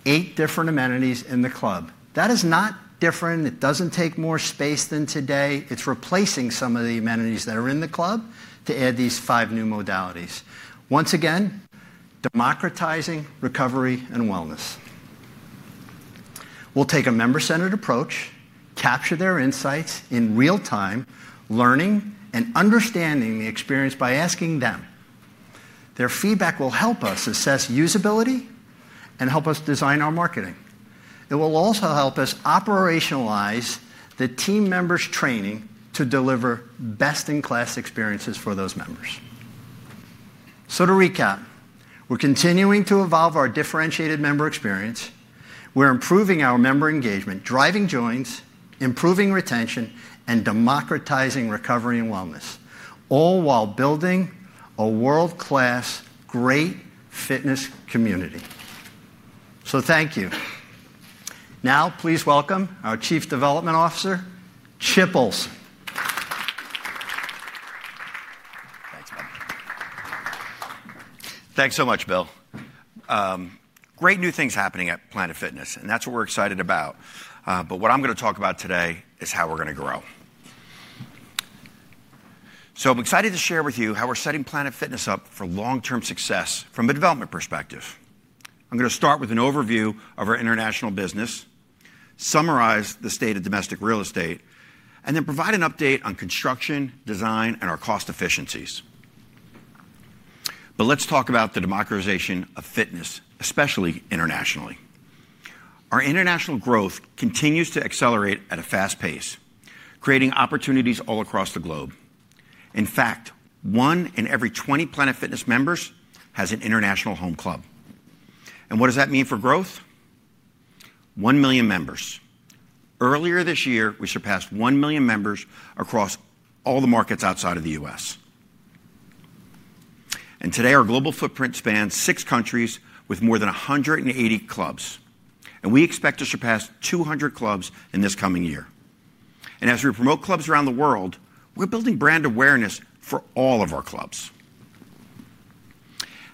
Eight different amenities in the club. That is not different. It doesn't take more space than today. It's replacing some of the amenities that are in the club to add these five new modalities. Once again, democratizing recovery and wellness. We'll take a member-centered approach, capture their insights in real time, learning and understanding the experience by asking them. Their feedback will help us assess usability and help us design our marketing. It will also help us operationalize the team members' training to deliver best-in-class experiences for those members. To recap, we're continuing to evolve our differentiated member experience. We're improving our member engagement, driving joins, improving retention, and democratizing recovery and wellness, all while building a world-class, great fitness community. Thank you. Now, please welcome our Chief Development Officer, Chip Ohlsson. Thanks, Bill. Thanks so much, Bill. Great new things happening at Planet Fitness, and that's what we're excited about. What I'm going to talk about today is how we're going to grow. I'm excited to share with you how we're setting Planet Fitness up for long-term success from a development perspective. I'm going to start with an overview of our international business, summarize the state of domestic real estate, and then provide an update on construction, design, and our cost efficiencies. Let's talk about the democratization of fitness, especially internationally. Our international growth continues to accelerate at a fast pace, creating opportunities all across the globe. In fact, one in every 20 Planet Fitness members has an international home club. What does that mean for growth? One million members. Earlier this year, we surpassed one million members across all the markets outside of the U.S. Today, our global footprint spans six countries with more than 180 clubs. We expect to surpass 200 clubs in this coming year. As we promote clubs around the world, we're building brand awareness for all of our clubs.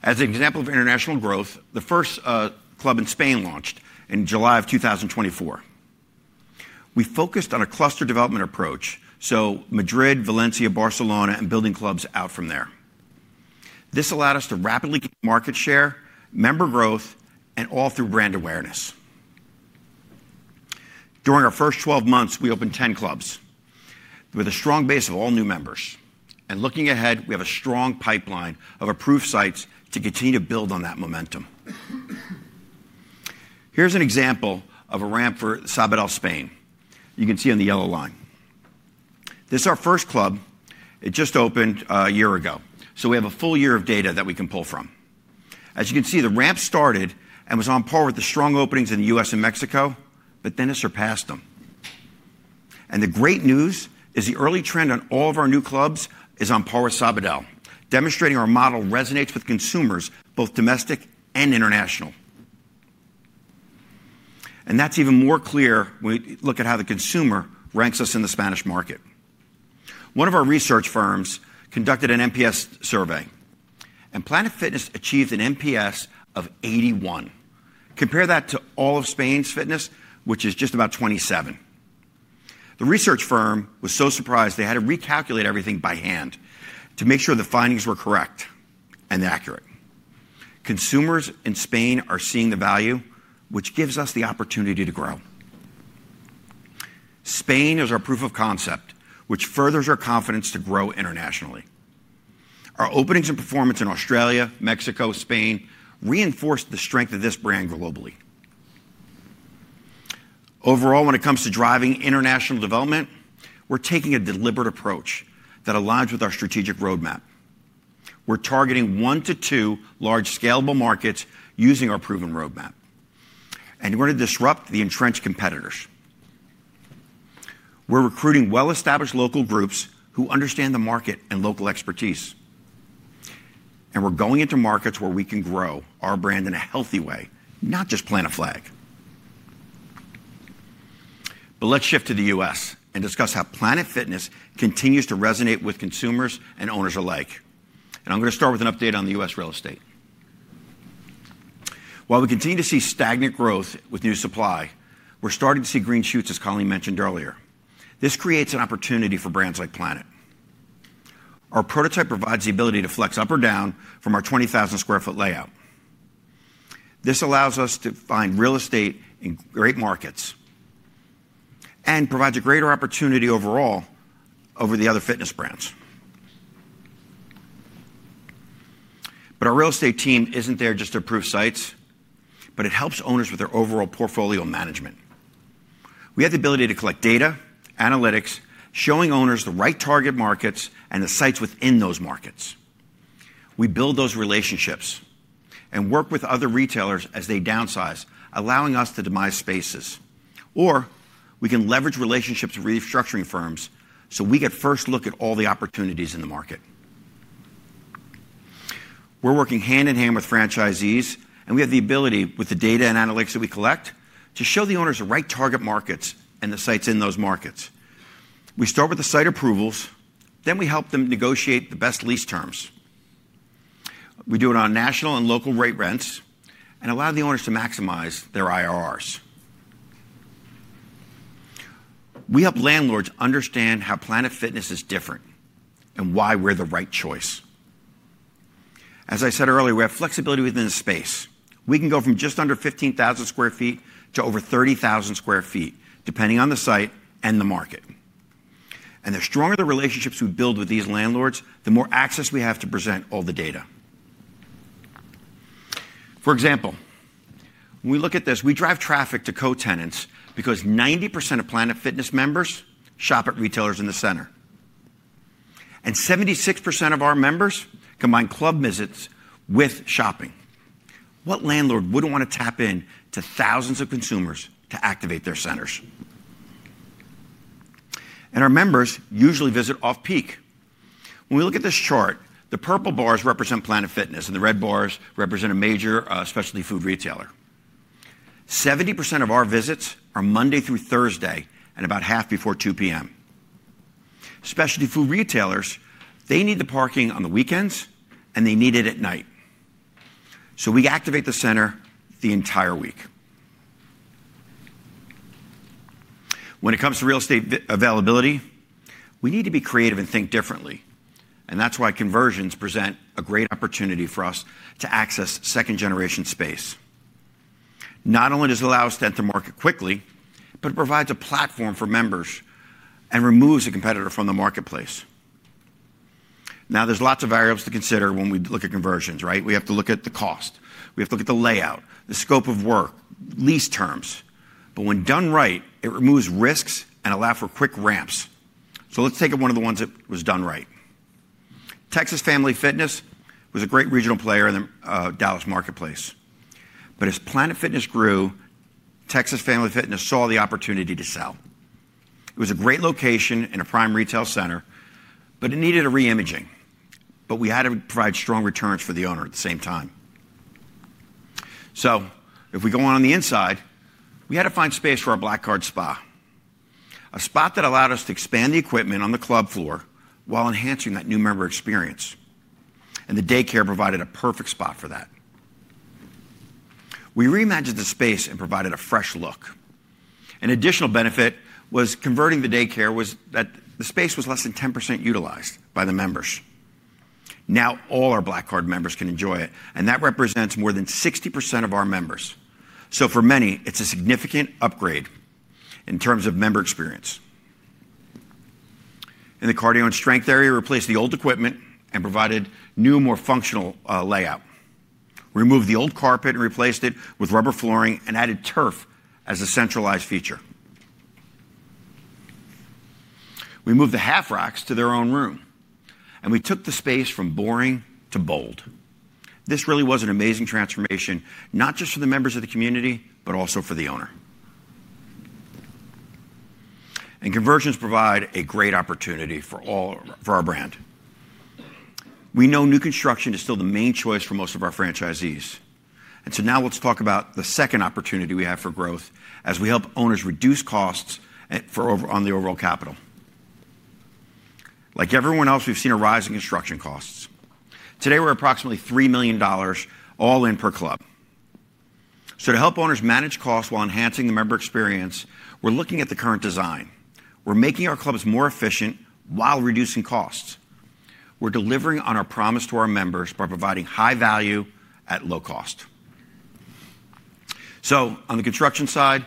As an example of international growth, the first club in Spain launched in July of 2024. We focused on a cluster development approach, Madrid, Valencia, Barcelona, and building clubs out from there. This allowed us to rapidly gain market share, member growth, and all through brand awareness. During our first 12 months, we opened 10 clubs with a strong base of all new members. Looking ahead, we have a strong pipeline of approved sites to continue to build on that momentum. Here's an example of a ramp for Sabadell, Spain. You can see on the yellow line. This is our first club. It just opened a year ago. We have a full year of data that we can pull from. As you can see, the ramp started and was on par with the strong openings in the U.S. and Mexico, but then it surpassed them. The great news is the early trend on all of our new clubs is on par with Sabadell, demonstrating our model resonates with consumers, both domestic and international. That is even more clear when we look at how the consumer ranks us in the Spanish market. One of our research firms conducted an MPS survey, and Planet Fitness achieved an MPS of 81. Compare that to all of Spain's fitness, which is just about 27. The research firm was so surprised they had to recalculate everything by hand to make sure the findings were correct and accurate. Consumers in Spain are seeing the value, which gives us the opportunity to grow. Spain is our proof of concept, which furthers our confidence to grow internationally. Our openings and performance in Australia, Mexico, Spain reinforced the strength of this brand globally. Overall, when it comes to driving international development, we're taking a deliberate approach that aligns with our strategic roadmap. We're targeting one to two large scalable markets using our proven roadmap, and we're going to disrupt the entrenched competitors. We're recruiting well-established local groups who understand the market and local expertise. We're going into markets where we can grow our brand in a healthy way, not just plant a flag. Let's shift to the U.S. and discuss how Planet Fitness continues to resonate with consumers and owners alike. I'm going to start with an update on the U.S. real estate. While we continue to see stagnant growth with new supply, we're starting to see green shoots, as Colleen mentioned earlier. This creates an opportunity for brands like Planet. Our prototype provides the ability to flex up or down from our 20,000 sq ft layout. This allows us to find real estate in great markets and provides a greater opportunity overall over the other fitness brands. Our real estate team is not there just to approve sites, but it helps owners with their overall portfolio management. We have the ability to collect data, analytics, showing owners the right target markets and the sites within those markets. We build those relationships and work with other retailers as they downsize, allowing us to demise spaces. Or we can leverage relationships with restructuring firms so we get first look at all the opportunities in the market. We're working hand in hand with franchisees, and we have the ability, with the data and analytics that we collect, to show the owners the right target markets and the sites in those markets. We start with the site approvals, then we help them negotiate the best lease terms. We do it on national and local rate rents and allow the owners to maximize their IRRs. We help landlords understand how Planet Fitness is different and why we're the right choice. As I said earlier, we have flexibility within the space. We can go from just under 15,000 sq ft to over 30,000 sq ft, depending on the site and the market. The stronger the relationships we build with these landlords, the more access we have to present all the data. For example, when we look at this, we drive traffic to co-tenants because 90% of Planet Fitness members shop at retailers in the center. And 76% of our members combine club visits with shopping. What landlord would not want to tap into thousands of consumers to activate their centers? Our members usually visit off-peak. When we look at this chart, the purple bars represent Planet Fitness, and the red bars represent a major specialty food retailer. 70% of our visits are Monday through Thursday and about half before 2:00 P.M. Specialty food retailers, they need the parking on the weekends, and they need it at night. We activate the center the entire week. When it comes to real estate availability, we need to be creative and think differently. That is why conversions present a great opportunity for us to access second-generation space. Not only does it allow us to enter the market quickly, but it provides a platform for members and removes a competitor from the marketplace. Now, there's lots of variables to consider when we look at conversions, right? We have to look at the cost. We have to look at the layout, the scope of work, lease terms. When done right, it removes risks and allows for quick ramps. Let's take one of the ones that was done right. Texas Family Fitness was a great regional player in the Dallas marketplace. As Planet Fitness grew, Texas Family Fitness saw the opportunity to sell. It was a great location in a prime retail center, but it needed a re-imaging. We had to provide strong returns for the owner at the same time. If we go on the inside, we had to find space for our Black Card Spa, a spot that allowed us to expand the equipment on the club floor while enhancing that new member experience. The daycare provided a perfect spot for that. We re-imagined the space and provided a fresh look. An additional benefit was converting the daycare was that the space was less than 10% utilized by the members. Now all our Black Card members can enjoy it, and that represents more than 60% of our members. For many, it is a significant upgrade in terms of member experience. In the Cardio and Strength area, we replaced the old equipment and provided new, more functional layout. We removed the old carpet and replaced it with rubber flooring and added turf as a centralized feature. We moved the half racks to their own room, and we took the space from boring to bold. This really was an amazing transformation, not just for the members of the community, but also for the owner. Conversions provide a great opportunity for our brand. We know new construction is still the main choice for most of our franchisees. Now let's talk about the second opportunity we have for growth as we help owners reduce costs on the overall capital. Like everyone else, we've seen a rise in construction costs. Today, we're approximately $3 million all in per club. To help owners manage costs while enhancing the member experience, we're looking at the current design. We're making our clubs more efficient while reducing costs. We're delivering on our promise to our members by providing high value at low cost. On the construction side,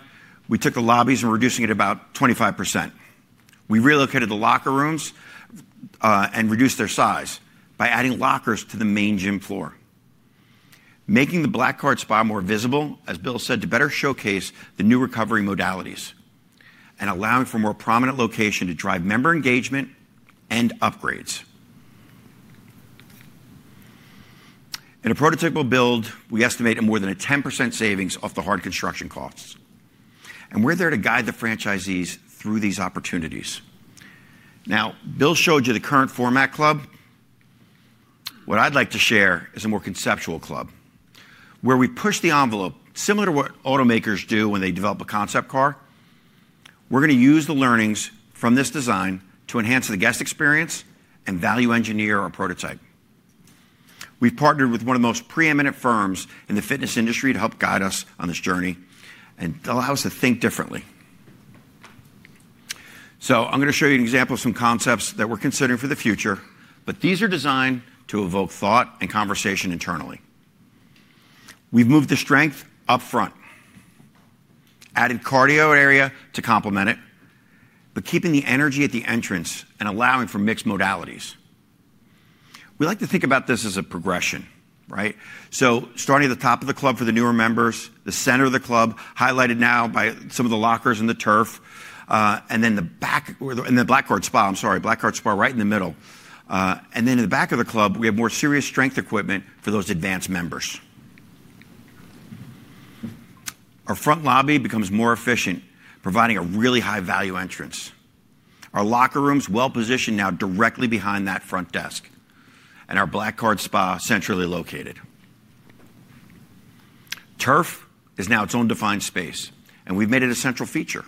we took the lobbies and we're reducing it about 25%. We relocated the locker rooms and reduced their size by adding lockers to the main gym floor, making the Black Card Spa more visible, as Bill said, to better showcase the new recovery modalities and allowing for a more prominent location to drive member engagement and upgrades. In a prototype we'll build, we estimate more than a 10% savings off the hard construction costs. We're there to guide the franchisees through these opportunities. Now, Bill showed you the current format club. What I'd like to share is a more conceptual club where we push the envelope similar to what automakers do when they develop a concept car. We're going to use the learnings from this design to enhance the guest experience and value engineer our prototype. We've partnered with one of the most preeminent firms in the fitness industry to help guide us on this journey and allow us to think differently. I'm going to show you an example of some concepts that we're considering for the future, but these are designed to evoke thought and conversation internally. We've moved the strength upfront, added Cardio area to complement it, but keeping the energy at the entrance and allowing for mixed modalities. We like to think about this as a progression, right? Starting at the top of the club for the newer members, the center of the club highlighted now by some of the lockers and the turf, and then the Black Card Spa, I'm sorry, Black Card Spa right in the middle. In the back of the club, we have more serious strength equipment for those advanced members. Our front lobby becomes more efficient, providing a really high-value entrance. Our locker rooms, well-positioned now directly behind that front desk, and our Black Card Spa centrally located. Turf is now its own defined space, and we've made it a central feature.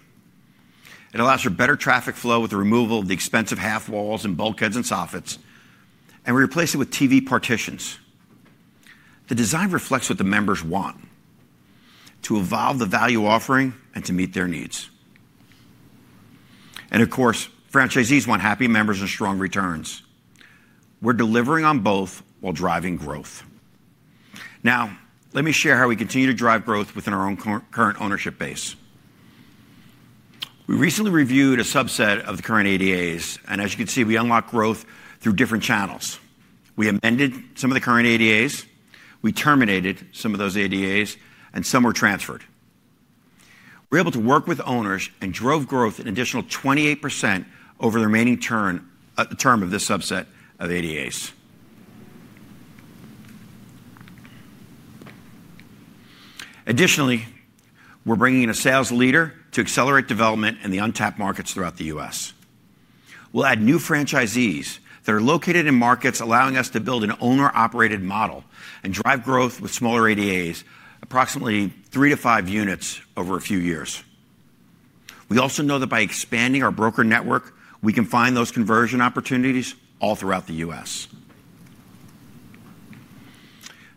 It allows for better traffic flow with the removal of the expensive half walls and bulkheads and soffits, and we replace it with TV partitions. The design reflects what the members want: to evolve the value offering and to meet their needs. Of course, franchisees want happy members and strong returns. We're delivering on both while driving growth. Now, let me share how we continue to drive growth within our own current ownership base. We recently reviewed a subset of the current ADAs, and as you can see, we unlock growth through different channels. We amended some of the current ADAs. We terminated some of those ADAs, and some were transferred. We're able to work with owners and drove growth an additional 28% over the remaining term of this subset of ADAs. Additionally, we're bringing in a sales leader to accelerate development in the untapped markets throughout the U.S. We'll add new franchisees that are located in markets, allowing us to build an owner-operated model and drive growth with smaller ADAs, approximately three to five units over a few years. We also know that by expanding our broker network, we can find those conversion opportunities all throughout the U.S.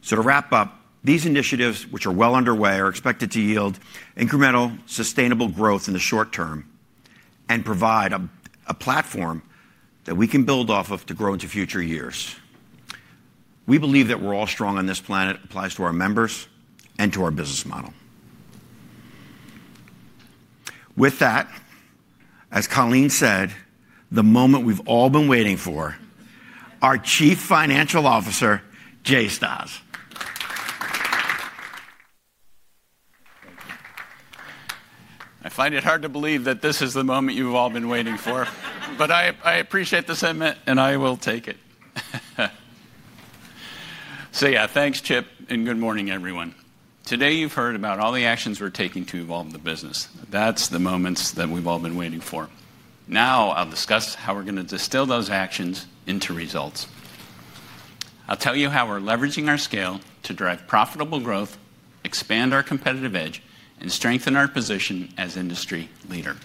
To wrap up, these initiatives, which are well underway, are expected to yield incremental sustainable growth in the short term and provide a platform that we can build off of to grow into future years. We believe that we're all strong on this plan, and it applies to our members and to our business model. With that, as Colleen said, the moment we've all been waiting for, our Chief Financial Officer, Jay Stasz. I find it hard to believe that this is the moment you've all been waiting for, but I appreciate the segment, and I will take it. Yeah, thanks, Chip, and good morning, everyone. Today, you've heard about all the actions we're taking to evolve the business. That's the moments that we've all been waiting for. Now, I'll discuss how we're going to distill those actions into results. I'll tell you how we're leveraging our scale to drive profitable growth, expand our competitive edge, and strengthen our position as industry leader.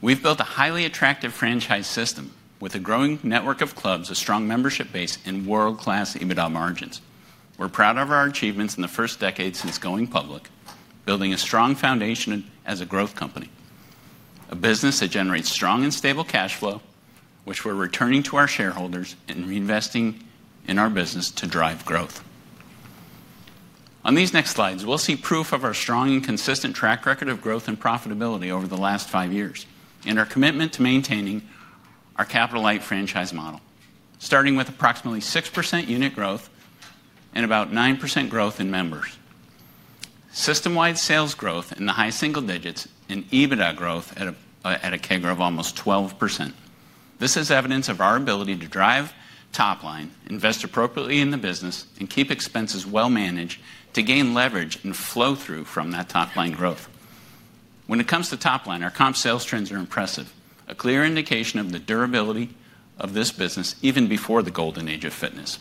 We've built a highly attractive franchise system with a growing network of clubs, a strong membership base, and world-class EBITDA margins. We're proud of our achievements in the first decade since going public, building a strong foundation as a growth company, a business that generates strong and stable cash flow, which we're returning to our shareholders and reinvesting in our business to drive growth. On these next slides, we'll see proof of our strong and consistent track record of growth and profitability over the last five years and our commitment to maintaining our capital-light franchise model, starting with approximately 6% unit growth and about 9% growth in members, system-wide sales growth in the high single digits, and EBITDA growth at a CAGR of almost 12%. This is evidence of our ability to drive top line, invest appropriately in the business, and keep expenses well-managed to gain leverage and flow through from that top line growth. When it comes to top line, our comp sales trends are impressive, a clear indication of the durability of this business even before the golden age of fitness.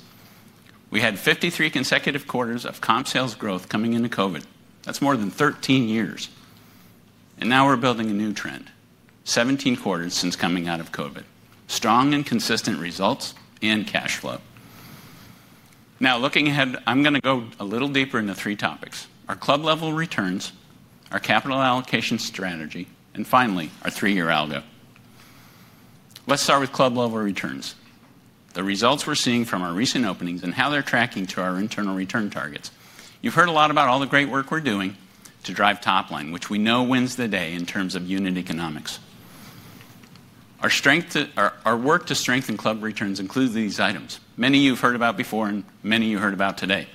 We had 53 consecutive quarters of comp sales growth coming into COVID. That's more than 13 years. Now we're building a new trend, 17 quarters since coming out of COVID, strong and consistent results and cash flow. Now, looking ahead, I'm going to go a little deeper into three topics: our club-level returns, our capital allocation strategy, and finally, our three-year algo. Let's start with club-level returns, the results we're seeing from our recent openings and how they're tracking to our internal return targets. You've heard a lot about all the great work we're doing to drive top line, which we know wins the day in terms of unit economics. Our work to strengthen club returns includes these items. Many of you have heard about before, and many of you have heard about today.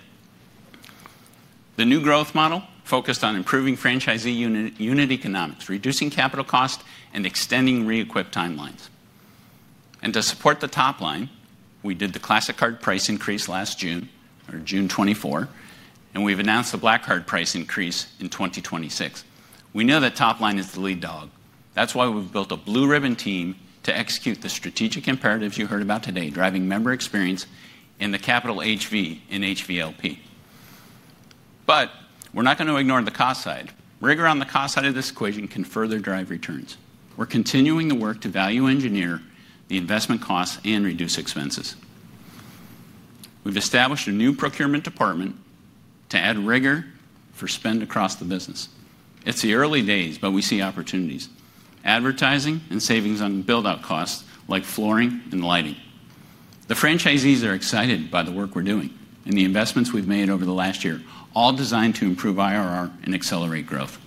The new growth model focused on improving franchisee unit economics, reducing capital costs, and extending re-equip timelines. To support the top line, we did the Classic Card price increase last June, or June 2024, and we've announced the Black Card price increase in 2026. We know that top line is the lead dog. That's why we've built a blue ribbon team to execute the strategic imperatives you heard about today, driving member experience in the capital HV in HVLP. We're not going to ignore the cost side. Rigor on the cost side of this equation can further drive returns. We're continuing the work to value engineer the investment costs and reduce expenses. We've established a new procurement department to add rigor for spend across the business. It's the early days, but we see opportunities, advertising, and savings on build-out costs like flooring and lighting. The franchisees are excited by the work we're doing and the investments we've made over the last year, all designed to improve IRR and accelerate growth.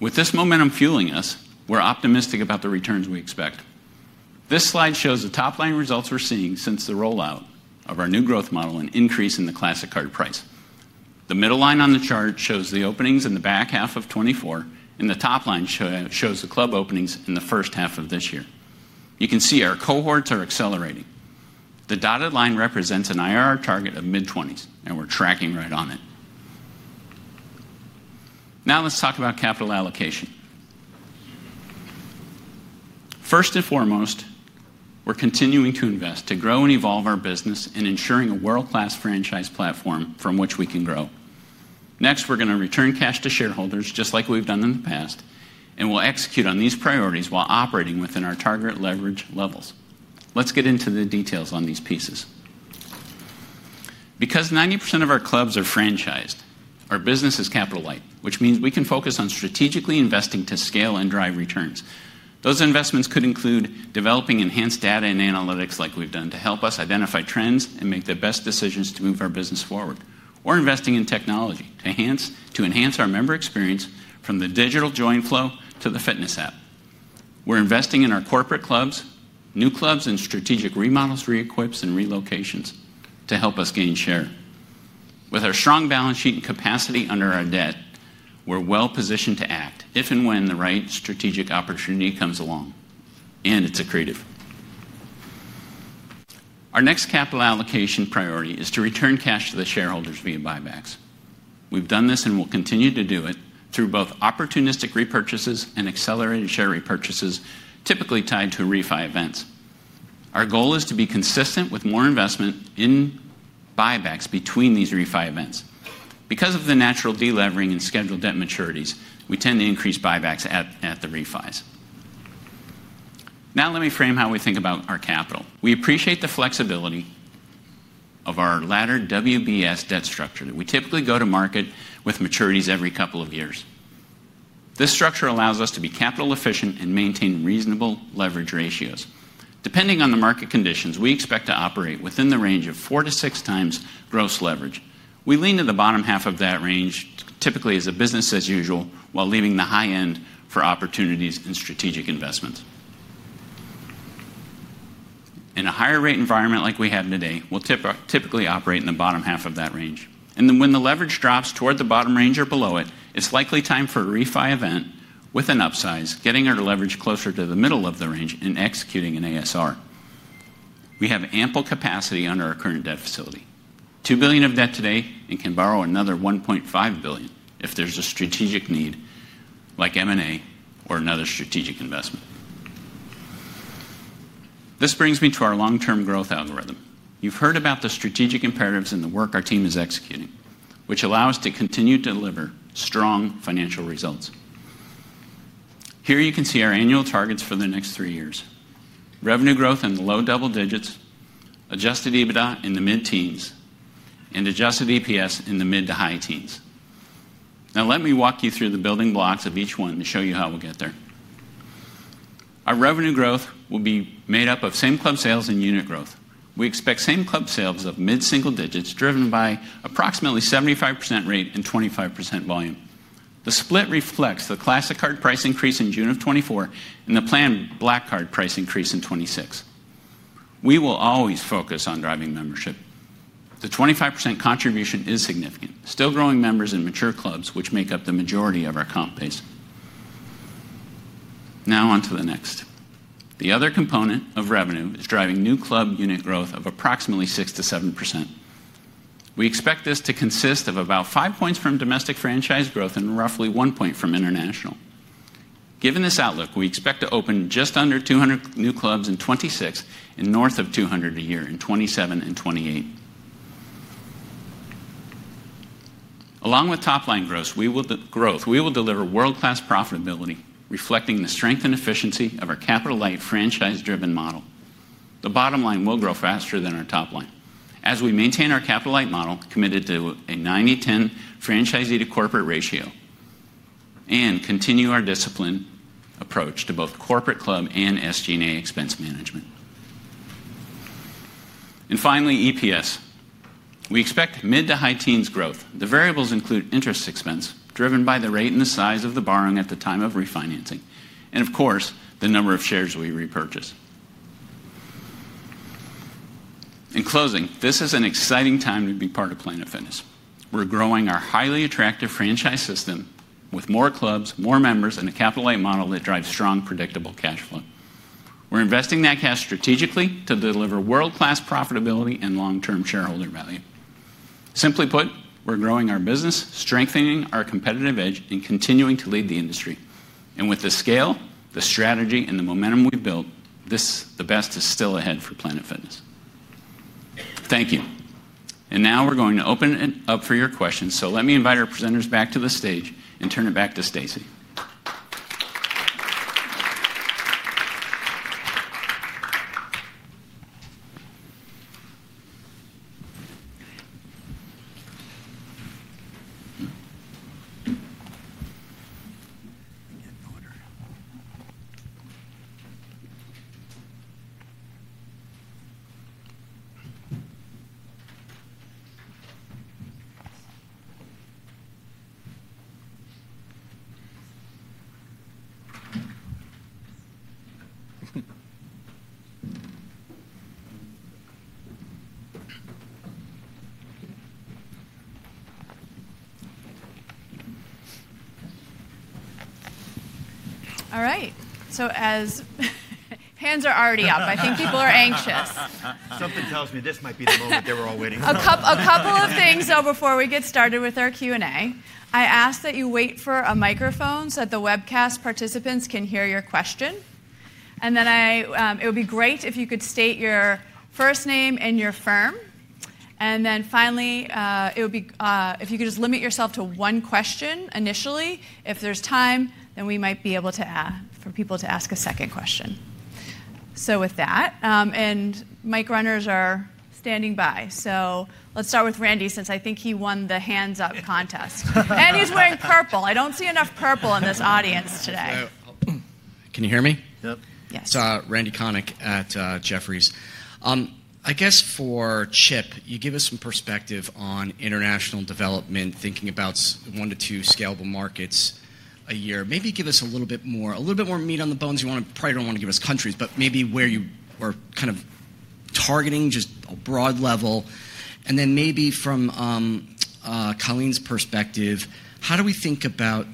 With this momentum fueling us, we're optimistic about the returns we expect. This slide shows the top line results we're seeing since the rollout of our new growth model and increase in the Classic Card price. The middle line on the chart shows the openings in the back half of 2024, and the top line shows the club openings in the first half of this year. You can see our cohorts are accelerating. The dotted line represents an IRR target of mid-20s, and we're tracking right on it. Now, let's talk about capital allocation. First and foremost, we're continuing to invest to grow and evolve our business and ensuring a world-class franchise platform from which we can grow. Next, we're going to return cash to shareholders just like we've done in the past, and we'll execute on these priorities while operating within our target leverage levels. Let's get into the details on these pieces. Because 90% of our clubs are franchised, our business is capital-light, which means we can focus on strategically investing to scale and drive returns. Those investments could include developing enhanced data and analytics like we've done to help us identify trends and make the best decisions to move our business forward, or investing in technology to enhance our member experience from the digital join flow to the fitness app. We're investing in our corporate clubs, new clubs, and strategic remodels, re-equips, and relocations to help us gain share. With our strong balance sheet and capacity under our debt, we're well-positioned to act if and when the right strategic opportunity comes along, and it's accretive. Our next capital allocation priority is to return cash to the shareholders via buybacks. We've done this and will continue to do it through both opportunistic repurchases and accelerated share repurchases, typically tied to refi events. Our goal is to be consistent with more investment in buybacks between these refi events. Because of the natural delevering and scheduled debt maturities, we tend to increase buybacks at the refis. Now, let me frame how we think about our capital. We appreciate the flexibility of our latter WBS debt structure that we typically go to market with maturities every couple of years. This structure allows us to be capital efficient and maintain reasonable leverage ratios. Depending on the market conditions, we expect to operate within the range of four to six times gross leverage. We lean to the bottom half of that range, typically as a business as usual, while leaving the high end for opportunities and strategic investments. In a higher rate environment like we have today, we'll typically operate in the bottom half of that range. When the leverage drops toward the bottom range or below it, it's likely time for a refi event with an upsize, getting our leverage closer to the middle of the range and executing an ASR. We have ample capacity under our current debt facility, $2 billion of debt today, and can borrow another $1.5 billion if there's a strategic need like M&A or another strategic investment. This brings me to our long-term growth algorithm. You've heard about the strategic imperatives and the work our team is executing, which allow us to continue to deliver strong financial results. Here you can see our annual targets for the next three years: revenue growth in the low double digits, Adjusted EBITDA in the mid-teens, and Adjusted EPS in the mid to high teens. Now, let me walk you through the building blocks of each one to show you how we'll get there. Our revenue growth will be made up of same club sales and unit growth. We expect same club sales of mid-single digits driven by an approximately 75% rate and 25% volume. The split reflects the Classic Card price increase in June of 2024 and the planned Black Card price increase in 2026. We will always focus on driving membership. The 25% contribution is significant, still growing members in mature clubs, which make up the majority of our comp base. Now on to the next. The other component of revenue is driving new club unit growth of approximately 6%-7%. We expect this to consist of about five points from domestic franchise growth and roughly one point from international. Given this outlook, we expect to open just under 200 new clubs in 2026 and north of 200 a year in 2027 and 2028. Along with top line growth, we will deliver world-class profitability, reflecting the strength and efficiency of our Capitolite franchise-driven model. The bottom line will grow faster than our top line. As we maintain our Capitolite model, committed to a 90-10 franchisee to corporate ratio, and continue our disciplined approach to both corporate club and SG&A expense management. Finally, EPS. We expect mid to high teens growth. The variables include interest expense driven by the rate and the size of the borrowing at the time of refinancing, and of course, the number of shares we repurchase. In closing, this is an exciting time to be part of Planet Fitness. We're growing our highly attractive franchise system with more clubs, more members, and a capital-light model that drives strong, predictable cash flow. We're investing that cash strategically to deliver world-class profitability and long-term shareholder value. Simply put, we're growing our business, strengthening our competitive edge, and continuing to lead the industry. With the scale, the strategy, and the momentum we've built, the best is still ahead for Planet Fitness. Thank you. Now we're going to open it up for your questions. Let me invite our presenters back to the stage and turn it back to Stacey. All right. As hands are already up, I think people are anxious. Something tells me this might be the moment they were all waiting for. A couple of things though, before we get started with our Q&A. I ask that you wait for a microphone so that the webcast participants can hear your question. It would be great if you could state your first name and your firm. Finally, if you could just limit yourself to one question initially. If there is time, then we might be able to ask for people to ask a second question. With that, mic runners are standing by. Let's start with Randy since I think he won the hands-up contest. He is wearing purple. I do not see enough purple in this audience today. Can you hear me? Yes. Randy Konik at Jefferies. I guess for Chip, you give us some perspective on international development, thinking about one to two scalable markets a year. Maybe give us a little bit more, a little bit more meat on the bones. You probably don't want to give us countries, but maybe where you are kind of targeting just a broad level. Then maybe from Colleen's perspective, how do we think about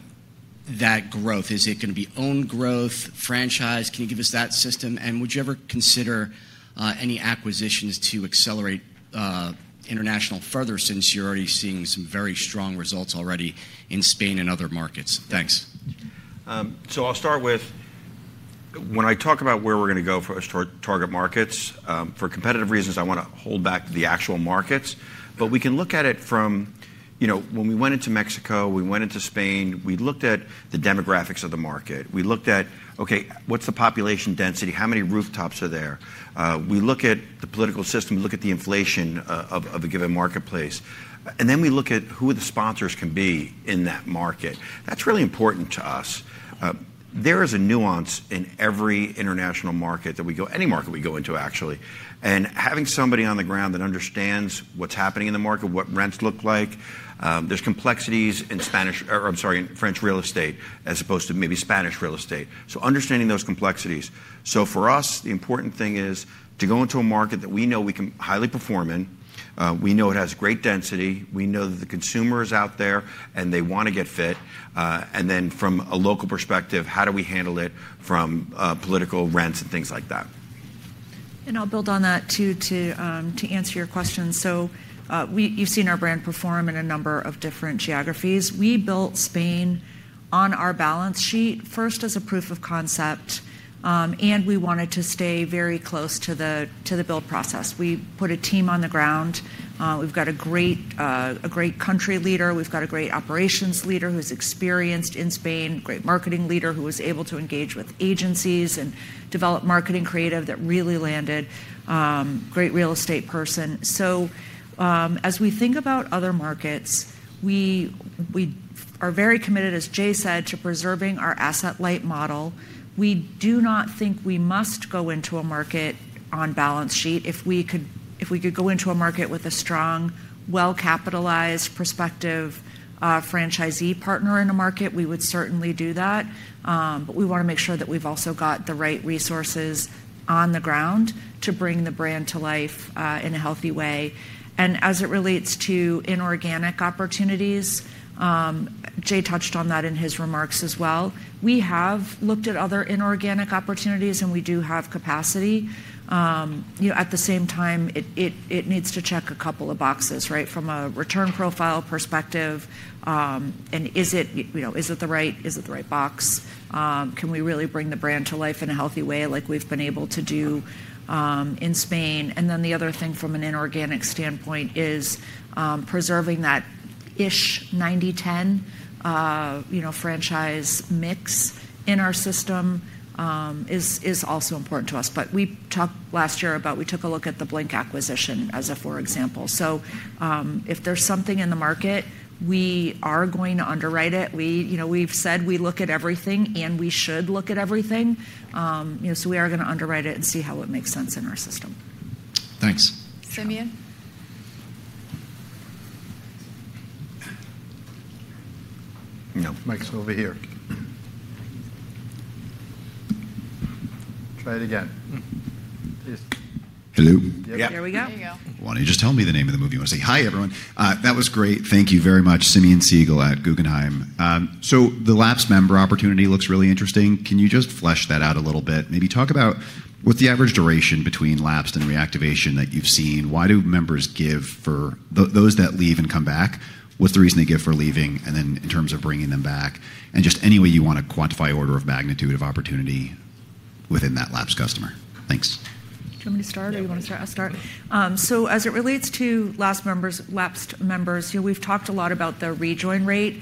that growth? Is it going to be owned growth, franchise? Can you give us that system? Would you ever consider any acquisitions to accelerate international further since you're already seeing some very strong results already in Spain and other markets? Thanks. I'll start with when I talk about where we're going to go for our target markets. For competitive reasons, I want to hold back the actual markets. We can look at it from when we went into Mexico, we went into Spain, we looked at the demographics of the market. We looked at, okay, what's the population density? How many rooftops are there? We look at the political system, we look at the inflation of a given marketplace. Then we look at who the sponsors can be in that market. That's really important to us. There is a nuance in every international market that we go, any market we go into actually. Having somebody on the ground that understands what's happening in the market, what rents look like. There are complexities in French real estate as opposed to maybe Spanish real estate. Understanding those complexities. For us, the important thing is to go into a market that we know we can highly perform in. We know it has great density. We know that the consumer is out there and they want to get fit. From a local perspective, how do we handle it from political rents and things like that? I'll build on that too to answer your question. You've seen our brand perform in a number of different geographies. We built Spain on our balance sheet first as a proof of concept, and we wanted to stay very close to the build process. We put a team on the ground. We've got a great country leader. We've got a great operations leader who's experienced in Spain, a great marketing leader who was able to engage with agencies and develop marketing creative that really landed, a great real estate person. As we think about other markets, we are very committed, as Jay said, to preserving our asset light model. We do not think we must go into a market on balance sheet. If we could go into a market with a strong, well-capitalized, prospective franchisee partner in a market, we would certainly do that. We want to make sure that we've also got the right resources on the ground to bring the brand to life in a healthy way. As it relates to inorganic opportunities, Jay touched on that in his remarks as well. We have looked at other inorganic opportunities, and we do have capacity. At the same time, it needs to check a couple of boxes, right, from a return profile perspective. Is it the right box? Can we really bring the brand to life in a healthy way like we've been able to do in Spain? The other thing from an inorganic standpoint is preserving that-ish 90-10 franchise mix in our system is also important to us. We talked last year about we took a look at the Blink acquisition as a for example. If there is something in the market, we are going to underwrite it. We have said we look at everything, and we should look at everything. We are going to underwrite it and see how it makes sense in our system. Thanks. Simeon? No. Mic's over here. Try it again. Hello? Yep. There we go. There you go. Why do you not just tell me the name of the movie? You want to say, "Hi, everyone." That was great. Thank you very much. Simeon Siegel at Guggenheim. The Laps member opportunity looks really interesting. Can you just flesh that out a little bit? Maybe talk about what's the average duration between Laps and reactivation that you've seen? Why do members give for those that leave and come back? What's the reason they give for leaving? In terms of bringing them back, just any way you want to quantify order of magnitude of opportunity within that Laps customer. Thanks. Do you want me to start or do you want to start? I'll start. As it relates to Laps members, we've talked a lot about the rejoin rate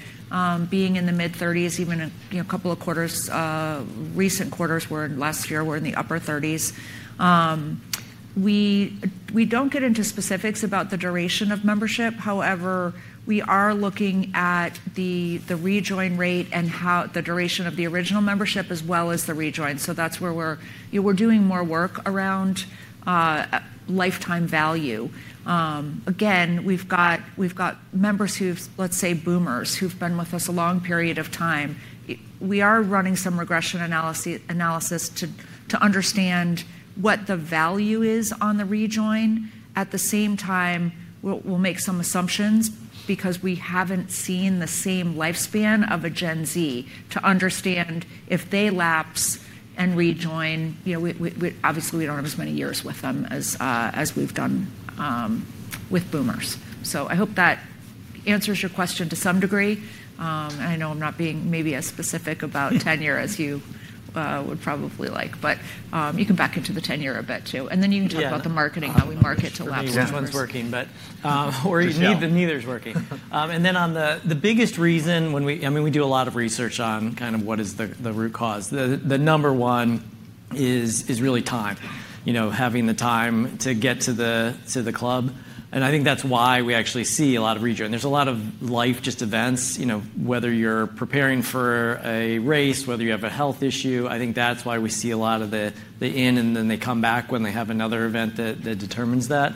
being in the mid-30%, even a couple of quarters. Recent quarters last year were in the upper 30%. We don't get into specifics about the duration of membership. However, we are looking at the rejoin rate and the duration of the original membership as well as the rejoin. That's where we're doing more work around lifetime value. Again, we've got members who've, let's say, boomers who've been with us a long period of time. We are running some regression analysis to understand what the value is on the rejoin. At the same time, we'll make some assumptions because we haven't seen the same lifespan of a Gen Z to understand if they lapse and rejoin. Obviously, we don't have as many years with them as we've done with boomers. I hope that answers your question to some degree. I know I'm not being maybe as specific about tenure as you would probably like, but you can back into the tenure a bit too. You can talk about the marketing, how we market to lapsed members. Yeah, this one's working, but or neither's working. On the biggest reason, I mean, we do a lot of research on kind of what is the root cause. The number one is really time, having the time to get to the club. I think that's why we actually see a lot of rejoin. There's a lot of life events, whether you're preparing for a race, whether you have a health issue. I think that's why we see a lot of the in, and then they come back when they have another event that determines that.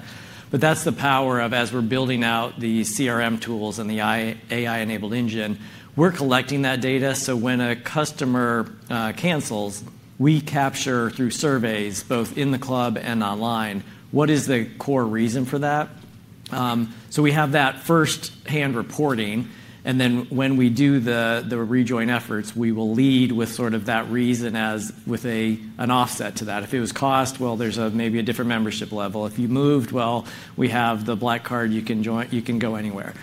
That's the power of, as we're building out the CRM tools and the AI-enabled engine, we're collecting that data. When a customer cancels, we capture through surveys both in the club and online what is the core reason for that. We have that first-hand reporting. Then when we do the rejoin efforts, we will lead with sort of that reason as with an offset to that. If it was cost, there is maybe a different membership level. If you moved, we have the Black Card, you can go anywhere.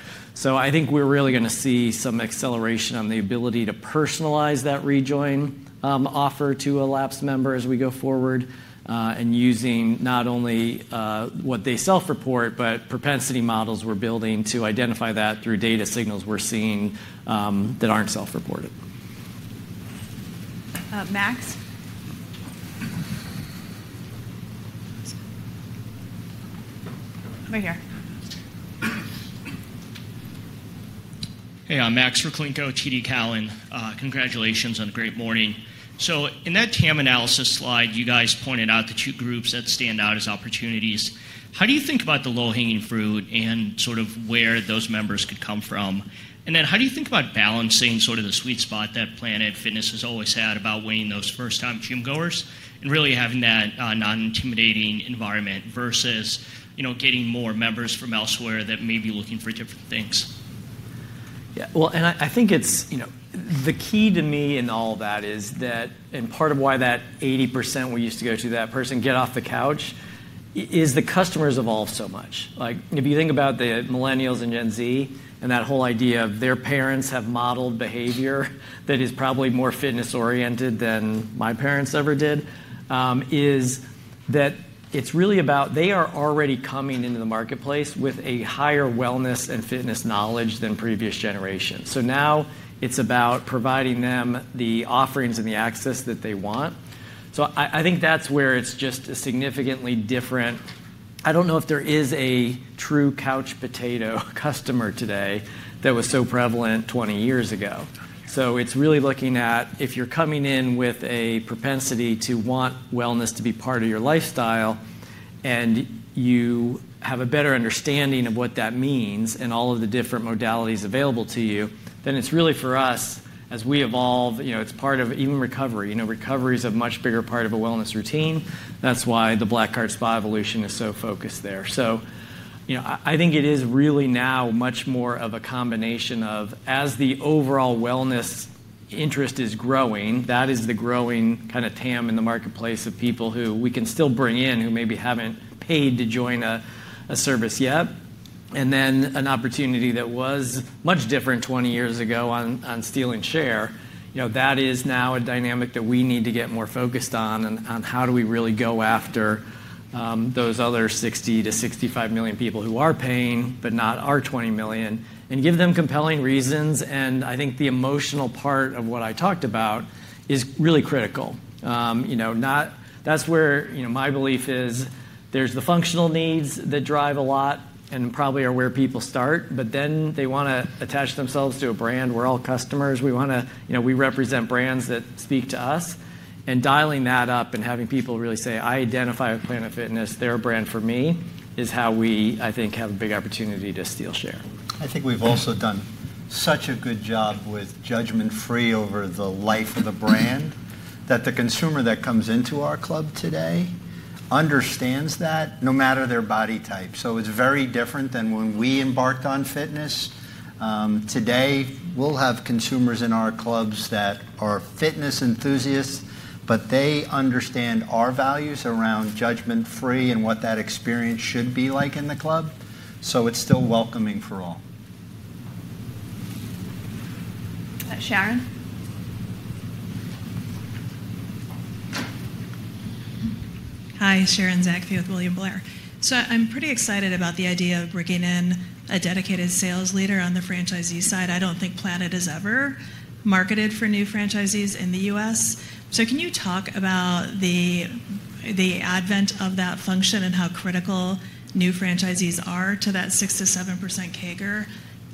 I think we are really going to see some acceleration on the ability to personalize that rejoin offer to a Laps member as we go forward and using not only what they self-report, but propensity models we are building to identify that through data signals we are seeing that are not self-reported. Max? Over here. Hey, I am Max Rakhlenko, TD Cowen. Congratulations on a great morning. In that TAM analysis slide, you guys pointed out the two groups that stand out as opportunities. How do you think about the low-hanging fruit and where those members could come from? How do you think about balancing sort of the sweet spot that Planet Fitness has always had about weighing those first-time gym goers and really having that non-intimidating environment versus getting more members from elsewhere that may be looking for different things? Yeah. I think the key to me in all of that is that, and part of why that 80% we used to go to that person get off the couch is the customers evolve so much. If you think about the millennials and Gen Z and that whole idea of their parents have modeled behavior that is probably more fitness-oriented than my parents ever did, it is really about they are already coming into the marketplace with a higher wellness and fitness knowledge than previous generations. Now it is about providing them the offerings and the access that they want. I think that's where it's just a significantly different, I don't know if there is a true couch potato customer today that was so prevalent 20 years ago. It's really looking at if you're coming in with a propensity to want wellness to be part of your lifestyle and you have a better understanding of what that means and all of the different modalities available to you, then it's really for us, as we evolve, it's part of even recovery. Recovery is a much bigger part of a wellness routine. That's why the Black Card Spa evolution is so focused there. I think it is really now much more of a combination of, as the overall wellness interest is growing, that is the growing kind of TAM in the marketplace of people who we can still bring in who maybe haven't paid to join a service yet. An opportunity that was much different 20 years ago on stealing share is now a dynamic that we need to get more focused on and on how do we really go after those other 60 million-65 million people who are paying but not our 20 million and give them compelling reasons. I think the emotional part of what I talked about is really critical. That is where my belief is there are the functional needs that drive a lot and probably are where people start, but then they want to attach themselves to a brand. We are all customers. We represent brands that speak to us. Dialing that up and having people really say, "I identify with Planet Fitness. They are a brand for me," is how we, I think, have a big opportunity to steal share. I think we've also done such a good job with judgment-free over the life of the brand that the consumer that comes into our club today understands that no matter their body type. It is very different than when we embarked on fitness. Today, we'll have consumers in our clubs that are fitness enthusiasts, but they understand our values around judgment-free and what that experience should be like in the club. It is still welcoming for all. Sharon? Hi, Sharon Zackfia with William Blair. I'm pretty excited about the idea of bringing in a dedicated sales leader on the franchisee side. I don't think Planet has ever marketed for new franchisees in the U.S. Can you talk about the advent of that function and how critical new franchisees are to that 6%-7% CAGR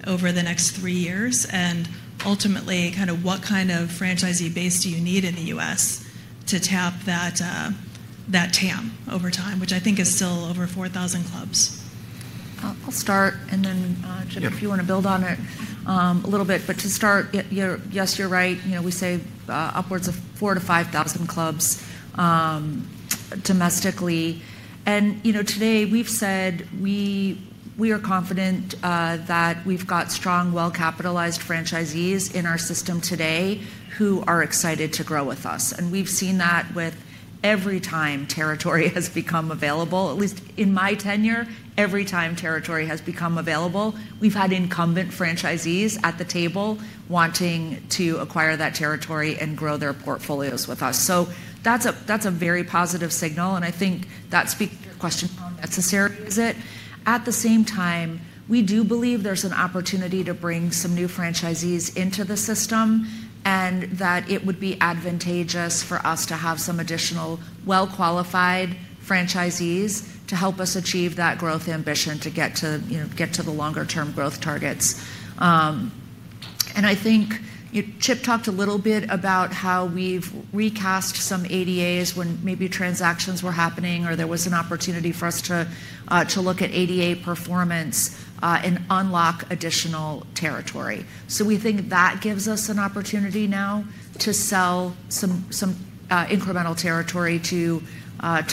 over the next three years? Ultimately, kind of what kind of franchisee base do you need in the U.S. to tap that TAM over time, which I think is still over 4,000 clubs? I'll start, and then if you want to build on it a little bit. To start, yes, you're right. We say upwards of 4,000-5,000 clubs domestically. Today, we've said we are confident that we've got strong, well-capitalized franchisees in our system today who are excited to grow with us. We've seen that with every time territory has become available, at least in my tenure, every time territory has become available, we've had incumbent franchisees at the table wanting to acquire that territory and grow their portfolios with us. That's a very positive signal. I think that speaks to your question on necessary, is it? At the same time, we do believe there's an opportunity to bring some new franchisees into the system and that it would be advantageous for us to have some additional well-qualified franchisees to help us achieve that growth ambition to get to the longer-term growth targets. I think Chip talked a little bit about how we've recast some ADAs when maybe transactions were happening or there was an opportunity for us to look at ADA performance and unlock additional territory. We think that gives us an opportunity now to sell some incremental territory to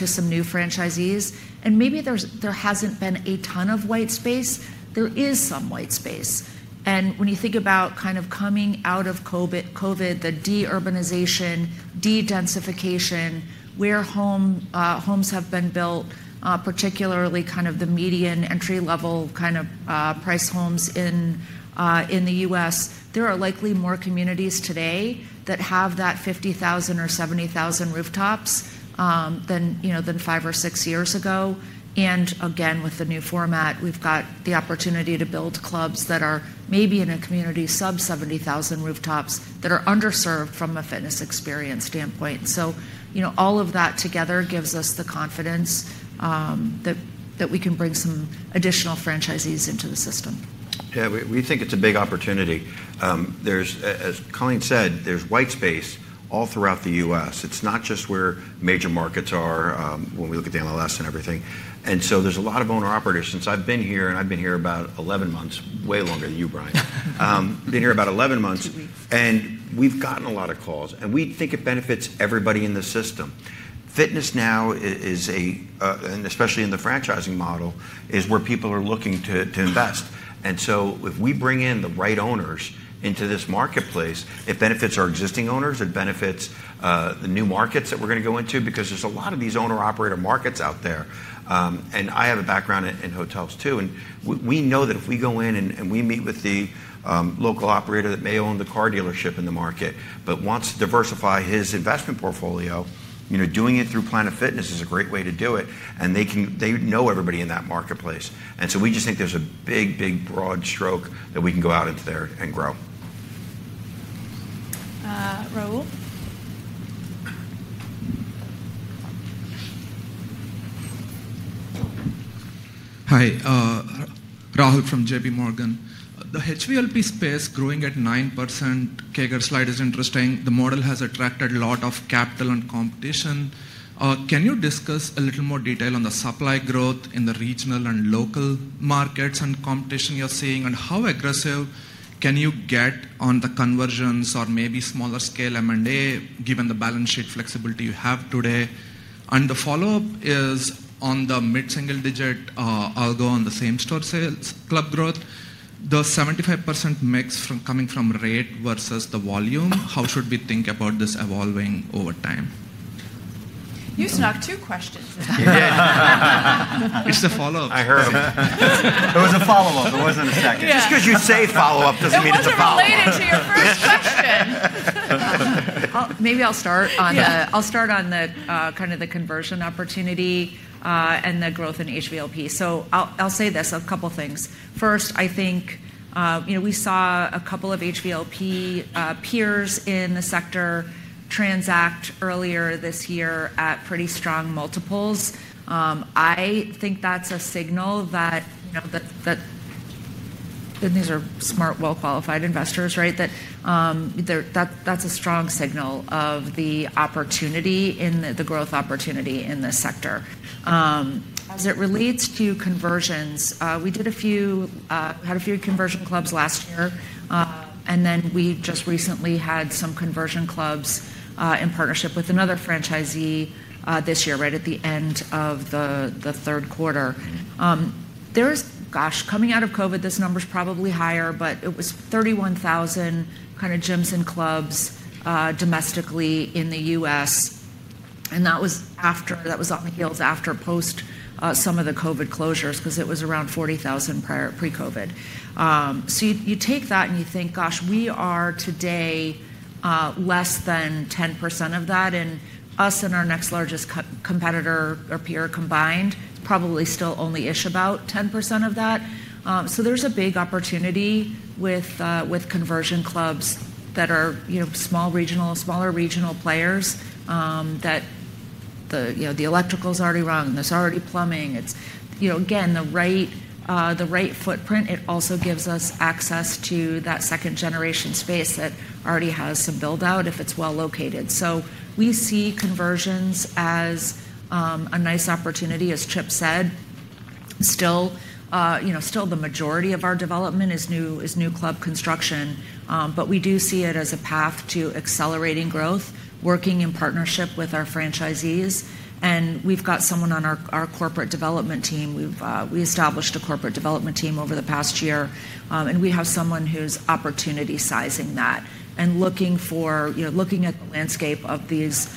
some new franchisees. Maybe there hasn't been a ton of white space. There is some white space. When you think about kind of coming out of COVID, the de-urbanization, de-densification, where homes have been built, particularly kind of the median entry-level kind of price homes in the U.S., there are likely more communities today that have that 50,000 or 70,000 rooftops than five or six years ago. Again, with the new format, we've got the opportunity to build clubs that are maybe in a community sub-70,000 rooftops that are underserved from a fitness experience standpoint. All of that together gives us the confidence that we can bring some additional franchisees into the system. Yeah, we think it's a big opportunity. As Colleen said, there's white space all throughout the U.S. It's not just where major markets are when we look at the MLS and everything. There's a lot of owner-operators. Since I've been here, and I've been here about 11 months, way longer than you, Brian, been here about 11 months, and we've gotten a lot of calls. We think it benefits everybody in the system. Fitness now, especially in the franchising model, is where people are looking to invest. If we bring in the right owners into this marketplace, it benefits our existing owners. It benefits the new markets that we're going to go into because there's a lot of these owner-operator markets out there. I have a background in hotels too. We know that if we go in and we meet with the local operator that may own the car dealership in the market but wants to diversify his investment portfolio, doing it through Planet Fitness is a great way to do it. They know everybody in that marketplace. We just think there's a big, big broad stroke that we can go out into there and grow. Rahul? Hi, Rahul from JPMorgan. The HVLP space growing at 9% CAGR slide is interesting. The model has attracted a lot of capital and competition. Can you discuss a little more detail on the supply growth in the regional and local markets and competition you're seeing, and how aggressive can you get on the conversions or maybe smaller scale M&A given the balance sheet flexibility you have today? The follow-up is on the mid-single-digit algo on the same-store sales club growth. The 75% mix coming from rate versus the volume, how should we think about this evolving over time? You snuck two questions. Yeah. It's a follow-up. I heard them. It was a follow-up. It wasn't a second. Just because you say follow-up doesn't mean it's a follow-up. You related to your first question. Maybe I'll start on the kind of the conversion opportunity and the growth in HVLP. I'll say this, a couple of things. First, I think we saw a couple of HVLP peers in the sector transact earlier this year at pretty strong multiples. I think that's a signal that, and these are smart, well-qualified investors, right, that that's a strong signal of the opportunity in the growth opportunity in this sector. As it relates to conversions, we had a few conversion clubs last year. And then we just recently had some conversion clubs in partnership with another franchisee this year, right at the end of the third quarter. Gosh, coming out of COVID, this number's probably higher, but it was 31,000 kind of gyms and clubs domestically in the U.S. That was on the heels after post-some of the COVID closures because it was around 40,000 pre-COVID. You take that and you think, gosh, we are today less than 10% of that. Us and our next largest competitor or peer combined probably still only issue about 10% of that. There is a big opportunity with conversion clubs that are small regional, smaller regional players that the electrical is already run. There is already plumbing. It is, again, the right footprint. It also gives us access to that second-generation space that already has some build-out if it is well located. We see conversions as a nice opportunity, as Chip said. Still, the majority of our development is new club construction, but we do see it as a path to accelerating growth, working in partnership with our franchisees. We have got someone on our corporate development team. We established a corporate development team over the past year. We have someone who's opportunity-sizing that and looking at the landscape of these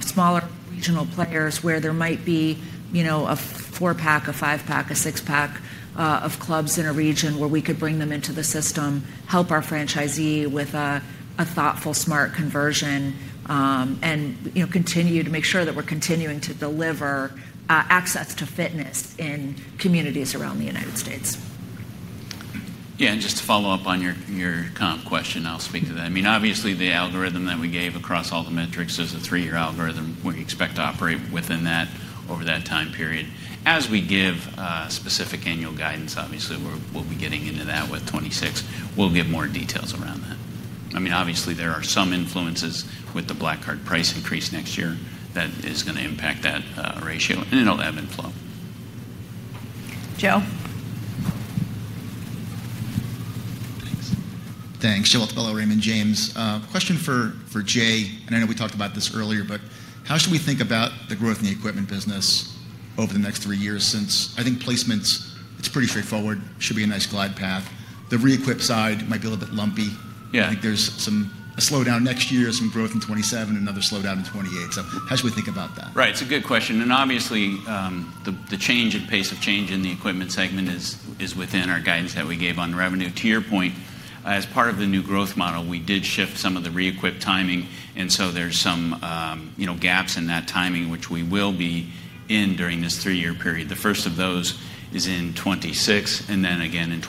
smaller regional players where there might be a four-pack, a five-pack, a six-pack of clubs in a region where we could bring them into the system, help our franchisee with a thoughtful, smart conversion, and continue to make sure that we're continuing to deliver access to fitness in communities around the United States. Yeah. Just to follow up on your comp question, I'll speak to that. I mean, obviously, the algorithm that we gave across all the metrics is a three-year algorithm. We expect to operate within that over that time period. As we give specific annual guidance, obviously, we'll be getting into that with 2026. We'll give more details around that. I mean, obviously, there are some influences with the Black Card price increase next year that is going to impact that ratio, and it'll ebb and flow. Joe? Thanks. Thanks. Joe of Raymond James. Question for Jay, and I know we talked about this earlier, but how should we think about the growth in the equipment business over the next three years since, I think, placements, it's pretty straightforward, should be a nice glide path. The re-equip side might be a little bit lumpy. I think there's a slowdown next year, some growth in 2027, another slowdown in 2028. How should we think about that? Right. It's a good question. Obviously, the change and pace of change in the equipment segment is within our guidance that we gave on revenue. To your point, as part of the new growth model, we did shift some of the re-equip timing. There are some gaps in that timing, which we will be in during this three-year period. The first of those is in 2026 and then again in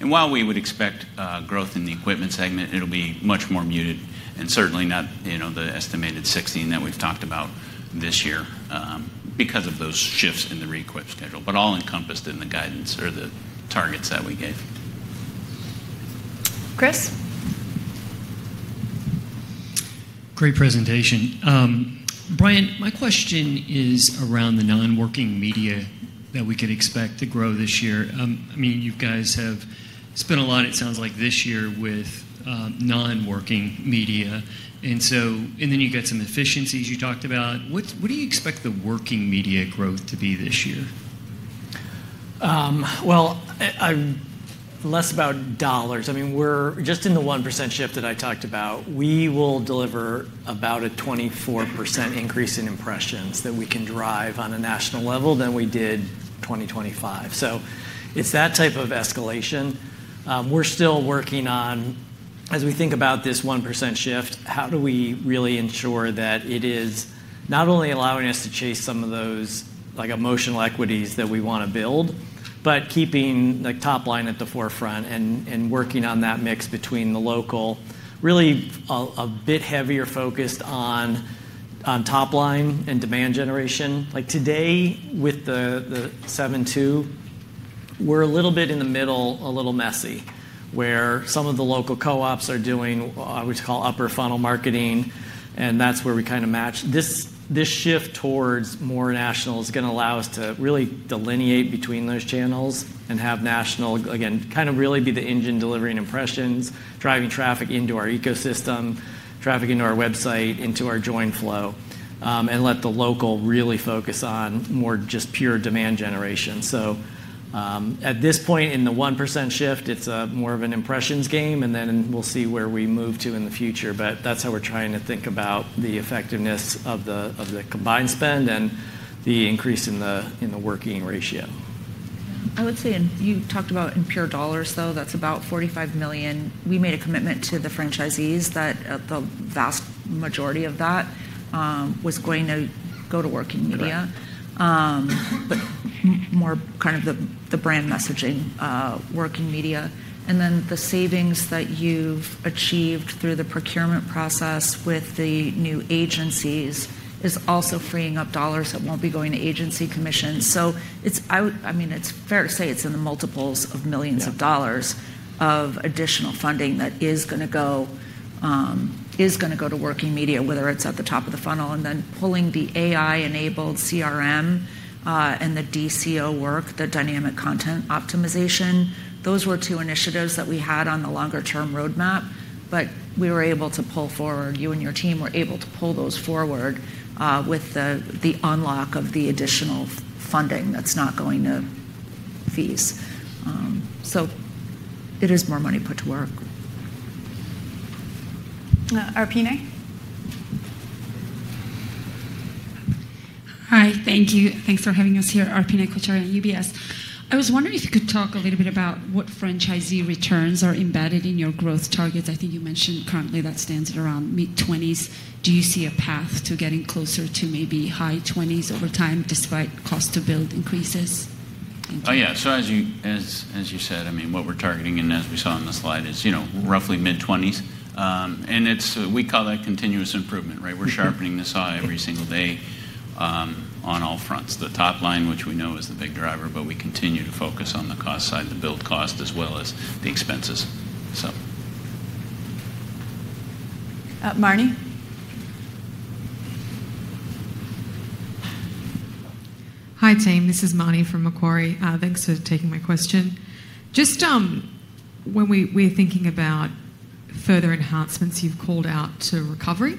2028. While we would expect growth in the equipment segment, it will be much more muted and certainly not the estimated $16 million that we have talked about this year because of those shifts in the re-equip schedule, but all encompassed in the guidance or the targets that we gave. Chris? Great presentation. Brian, my question is around the non-working media that we could expect to grow this year. I mean, you guys have spent a lot, it sounds like, this year with non-working media. You got some efficiencies you talked about. What do you expect the working media growth to be this year? I mean, less about dollars. We are just in the 1% shift that I talked about. We will deliver about a 24% increase in impressions that we can drive on a national level than we did 2025. It is that type of escalation. We're still working on, as we think about this 1% shift, how do we really ensure that it is not only allowing us to chase some of those emotional equities that we want to build, but keeping top line at the forefront and working on that mix between the local, really a bit heavier focused on top line and demand generation. Today, with the '72, we're a little bit in the middle, a little messy, where some of the local co-ops are doing what we call upper funnel marketing. That is where we kind of match. This shift towards more national is going to allow us to really delineate between those channels and have national, again, kind of really be the engine delivering impressions, driving traffic into our ecosystem, traffic into our website, into our join flow, and let the local really focus on more just pure demand generation. At this point in the 1% shift, it's more of an impressions game, and then we'll see where we move to in the future. That's how we're trying to think about the effectiveness of the combined spend and the increase in the working ratio. I would say, and you talked about in pure dollars, though, that's about $45 million. We made a commitment to the franchisees that the vast majority of that was going to go to working media, but more kind of the brand messaging, working media. The savings that you've achieved through the procurement process with the new agencies is also freeing up dollars that won't be going to agency commissions. I mean, it's fair to say it's in the multiples of millions of dollars of additional funding that is going to go to working media, whether it's at the top of the funnel. Pulling the AI-enabled CRM and the DCO work, the dynamic content optimization, those were two initiatives that we had on the longer-term roadmap, but we were able to pull forward. You and your team were able to pull those forward with the unlock of the additional funding that's not going to fees. It is more money put to work. Arpene? Hi. Thank you. Thanks for having us here. Arpene Kocher at UBS. I was wondering if you could talk a little bit about what franchisee returns are embedded in your growth targets. I think you mentioned currently that stands at around mid-20s. Do you see a path to getting closer to maybe high 20s over time despite cost-to-build increases? Oh, yeah. As you said, I mean, what we're targeting, and as we saw on the slide, is roughly mid-20s. We call that continuous improvement, right? We're sharpening the saw every single day on all fronts. The top line, which we know is the big driver, but we continue to focus on the cost side, the build cost, as well as the expenses. Marni? Hi, team. This is Marni from Macquarie. Thanks for taking my question. Just when we're thinking about further enhancements, you've called out to recovery.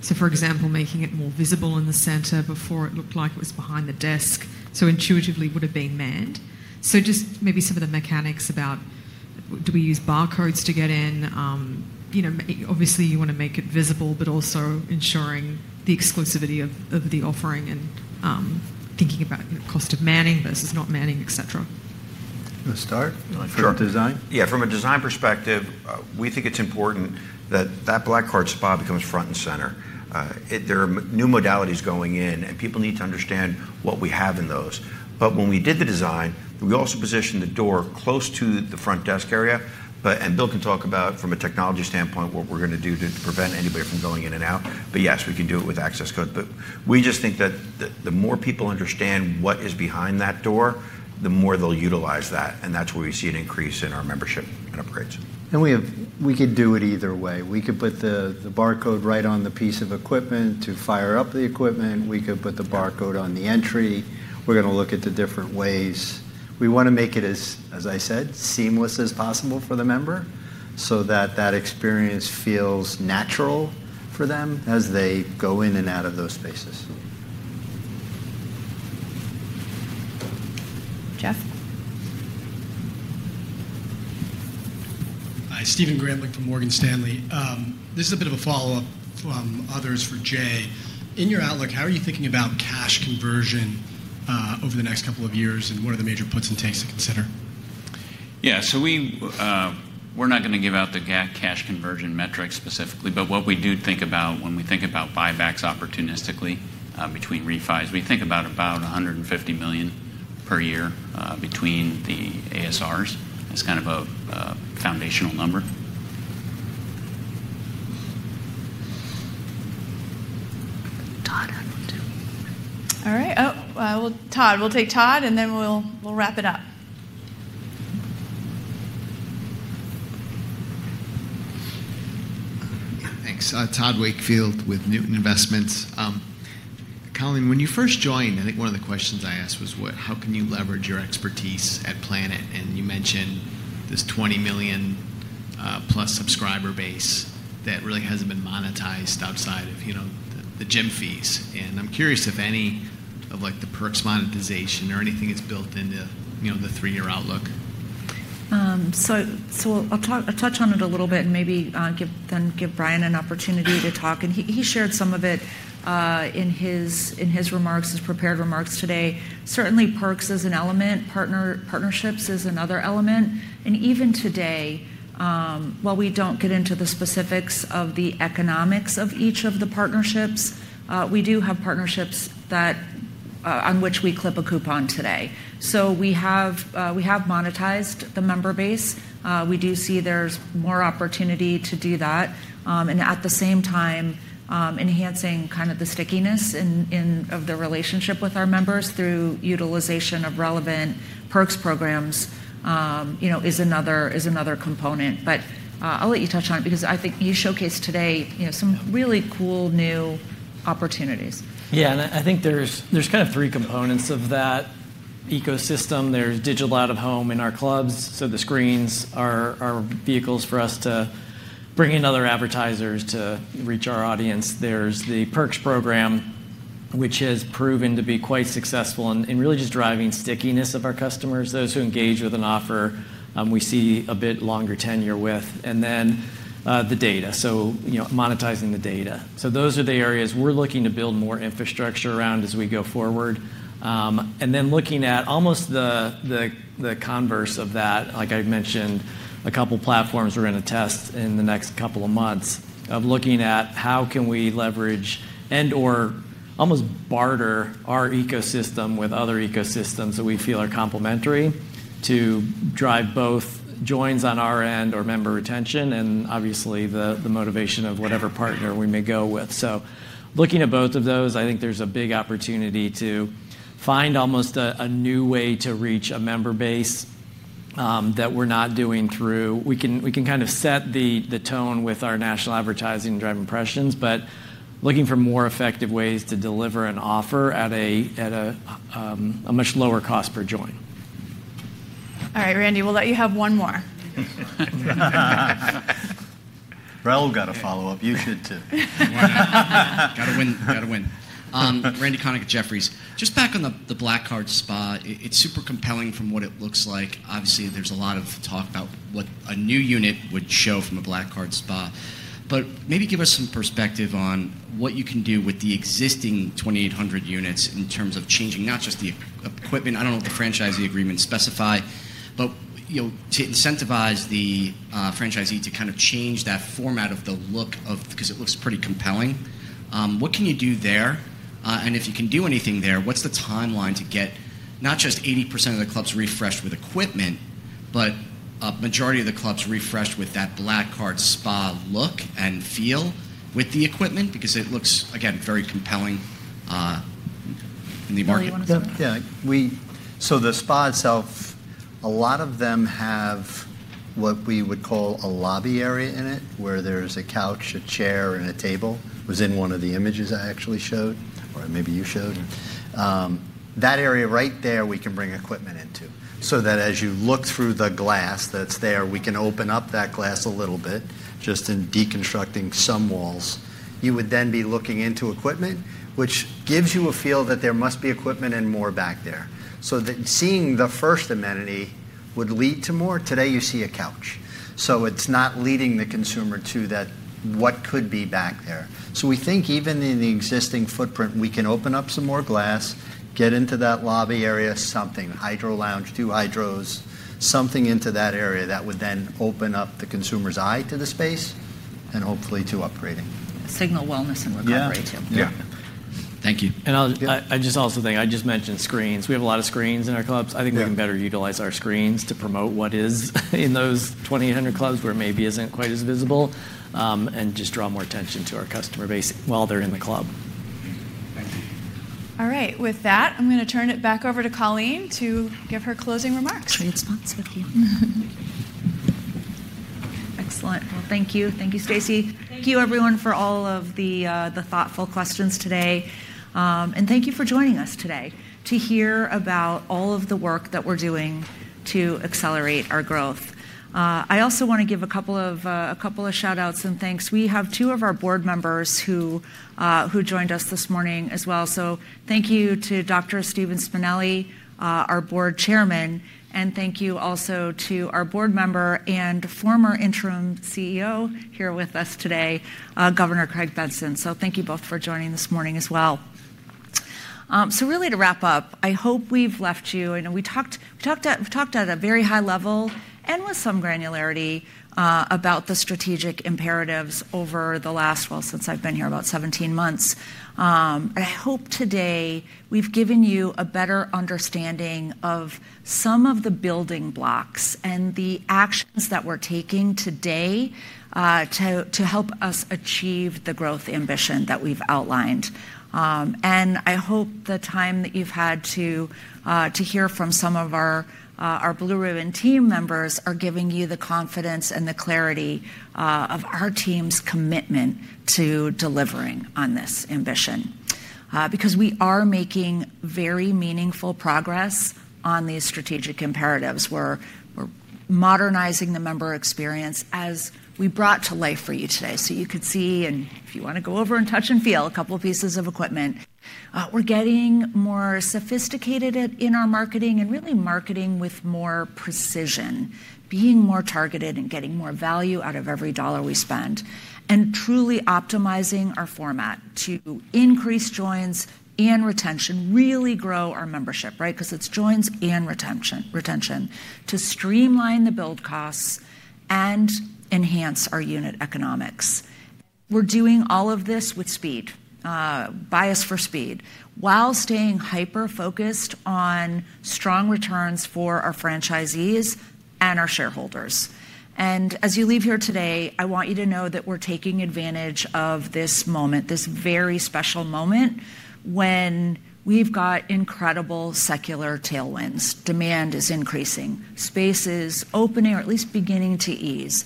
For example, making it more visible in the center, before it looked like it was behind the desk, so intuitively would have been manned. Just maybe some of the mechanics about do we use barcodes to get in? Obviously, you want to make it visible, but also ensuring the exclusivity of the offering and thinking about cost of manning versus not manning, etc. You want to start? From a design? Yeah. From a design perspective, we think it's important that that Black Card Spa becomes front and center. There are new modalities going in, and people need to understand what we have in those. When we did the design, we also positioned the door close to the front desk area. Bill can talk about, from a technology standpoint, what we're going to do to prevent anybody from going in and out. Yes, we can do it with access code. We just think that the more people understand what is behind that door, the more they'll utilize that. That is where we see an increase in our membership and upgrades. We could do it either way. We could put the barcode right on the piece of equipment to fire up the equipment. We could put the barcode on the entry. We are going to look at the different ways. We want to make it, as I said, as seamless as possible for the member so that the experience feels natural for them as they go in and out of those spaces. Jeff? Hi. Stephen Grambling from Morgan Stanley. This is a bit of a follow-up from others for Jay. In your outlook, how are you thinking about cash conversion over the next couple of years and what are the major puts and takes to consider? Yeah. So we're not going to give out the cash conversion metrics specifically, but what we do think about when we think about buybacks opportunistically between refis, we think about about $150 million per year between the ASRs. It's kind of a foundational number. Todd, I will do. All right. Todd, we'll take Todd, and then we'll wrap it up. Thanks. Todd Wakefield with Newton Investments. Colleen, when you first joined, I think one of the questions I asked was, "How can you leverage your expertise at Planet?" And you mentioned this 20 million-plus subscriber base that really hasn't been monetized outside of the gym fees. And I'm curious if any of the perks monetization or anything is built into the three-year outlook. I'll touch on it a little bit and maybe then give Brian an opportunity to talk. He shared some of it in his prepared remarks today. Certainly, perks is an element. Partnerships is another element. Even today, while we do not get into the specifics of the economics of each of the partnerships, we do have partnerships on which we clip a coupon today. We have monetized the member base. We do see there's more opportunity to do that. At the same time, enhancing kind of the stickiness of the relationship with our members through utilization of relevant perks programs is another component. I'll let you touch on it because I think you showcased today some really cool new opportunities. Yeah. I think there's kind of three components of that ecosystem. There's digital out of home in our clubs. The screens are vehicles for us to bring in other advertisers to reach our audience. There's the perks program, which has proven to be quite successful in really just driving stickiness of our customers, those who engage with an offer we see a bit longer tenure with. The data, so monetizing the data. Those are the areas we're looking to build more infrastructure around as we go forward. Looking at almost the converse of that, like I mentioned, a couple of platforms we're going to test in the next couple of months of looking at how can we leverage and/or almost barter our ecosystem with other ecosystems that we feel are complementary to drive both joins on our end or member retention and, obviously, the motivation of whatever partner we may go with. Looking at both of those, I think there's a big opportunity to find almost a new way to reach a member base that we're not doing through. We can kind of set the tone with our national advertising and drive impressions, but looking for more effective ways to deliver an offer at a much lower cost per join. All right, Randy, we'll let you have one more. Rahul got a follow-up. You should, too. Got to win. Randy Konik at Jefferies. Just back on the Black Card Spa, it's super compelling from what it looks like. Obviously, there's a lot of talk about what a new unit would show from a Black Card Spa. Maybe give us some perspective on what you can do with the existing 2,800 units in terms of changing not just the equipment. I don't know what the franchisee agreements specify, but to incentivize the franchisee to kind of change that format of the look because it looks pretty compelling. What can you do there? If you can do anything there, what's the timeline to get not just 80% of the clubs refreshed with equipment, but a majority of the clubs refreshed with that Black Card Spa look and feel with the equipment because it looks, again, very compelling in the marketplace? Yeah. The Spa itself, a lot of them have what we would call a lobby area in it where there's a couch, a chair, and a table. It was in one of the images I actually showed, or maybe you showed. That area right there, we can bring equipment into. As you look through the glass that's there, we can open up that glass a little bit just in deconstructing some walls. You would then be looking into equipment, which gives you a feel that there must be equipment and more back there. Seeing the first amenity would lead to more. Today, you see a couch. It's not leading the consumer to what could be back there. We think even in the existing footprint, we can open up some more glass, get into that lobby area, something, hydro lounge, two hydros, something into that area that would then open up the consumer's eye to the space and hopefully to upgrading. Signal wellness and recovery, too. Yeah. Thank you. I just also think I just mentioned screens. We have a lot of screens in our clubs. I think we can better utilize our screens to promote what is in those 2,800 clubs where maybe it isn't quite as visible and just draw more attention to our customer base while they're in the club. Thank you. All right. With that, I'm going to turn it back over to Colleen to give her closing remarks. Transfer your thoughts with you. Excellent. Thank you. Thank you, Stacey. Thank you, everyone, for all of the thoughtful questions today. Thank you for joining us today to hear about all of the work that we're doing to accelerate our growth. I also want to give a couple of shout-outs and thanks. We have two of our board members who joined us this morning as well. Thank you to Dr. Stephen Spinelli, our board chairman. Thank you also to our board member and former interim CEO here with us today, Governor Craig Benson. Thank you both for joining this morning as well. Really, to wrap up, I hope we've left you, I know we talked at a very high level and with some granularity about the strategic imperatives over the last, well, since I've been here about 17 months. I hope today we've given you a better understanding of some of the building blocks and the actions that we're taking today to help us achieve the growth ambition that we've outlined. I hope the time that you've had to hear from some of our Blue Ribbon team members are giving you the confidence and the clarity of our team's commitment to delivering on this ambition because we are making very meaningful progress on these strategic imperatives. We're modernizing the member experience as we brought to life for you today. You could see, and if you want to go over and touch and feel a couple of pieces of equipment. We're getting more sophisticated in our marketing and really marketing with more precision, being more targeted and getting more value out of every dollar we spend, and truly optimizing our format to increase joins and retention, really grow our membership, right? Because it's joins and retention to streamline the build costs and enhance our unit economics. We're doing all of this with speed, bias for speed, while staying hyper-focused on strong returns for our franchisees and our shareholders. As you leave here today, I want you to know that we're taking advantage of this moment, this very special moment when we've got incredible secular tailwinds. Demand is increasing. Spaces opening, or at least beginning to ease.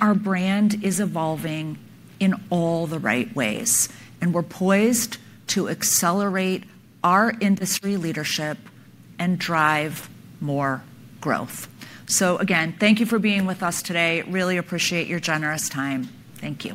Our brand is evolving in all the right ways. We are poised to accelerate our industry leadership and drive more growth. Again, thank you for being with us today. Really appreciate your generous time. Thank you.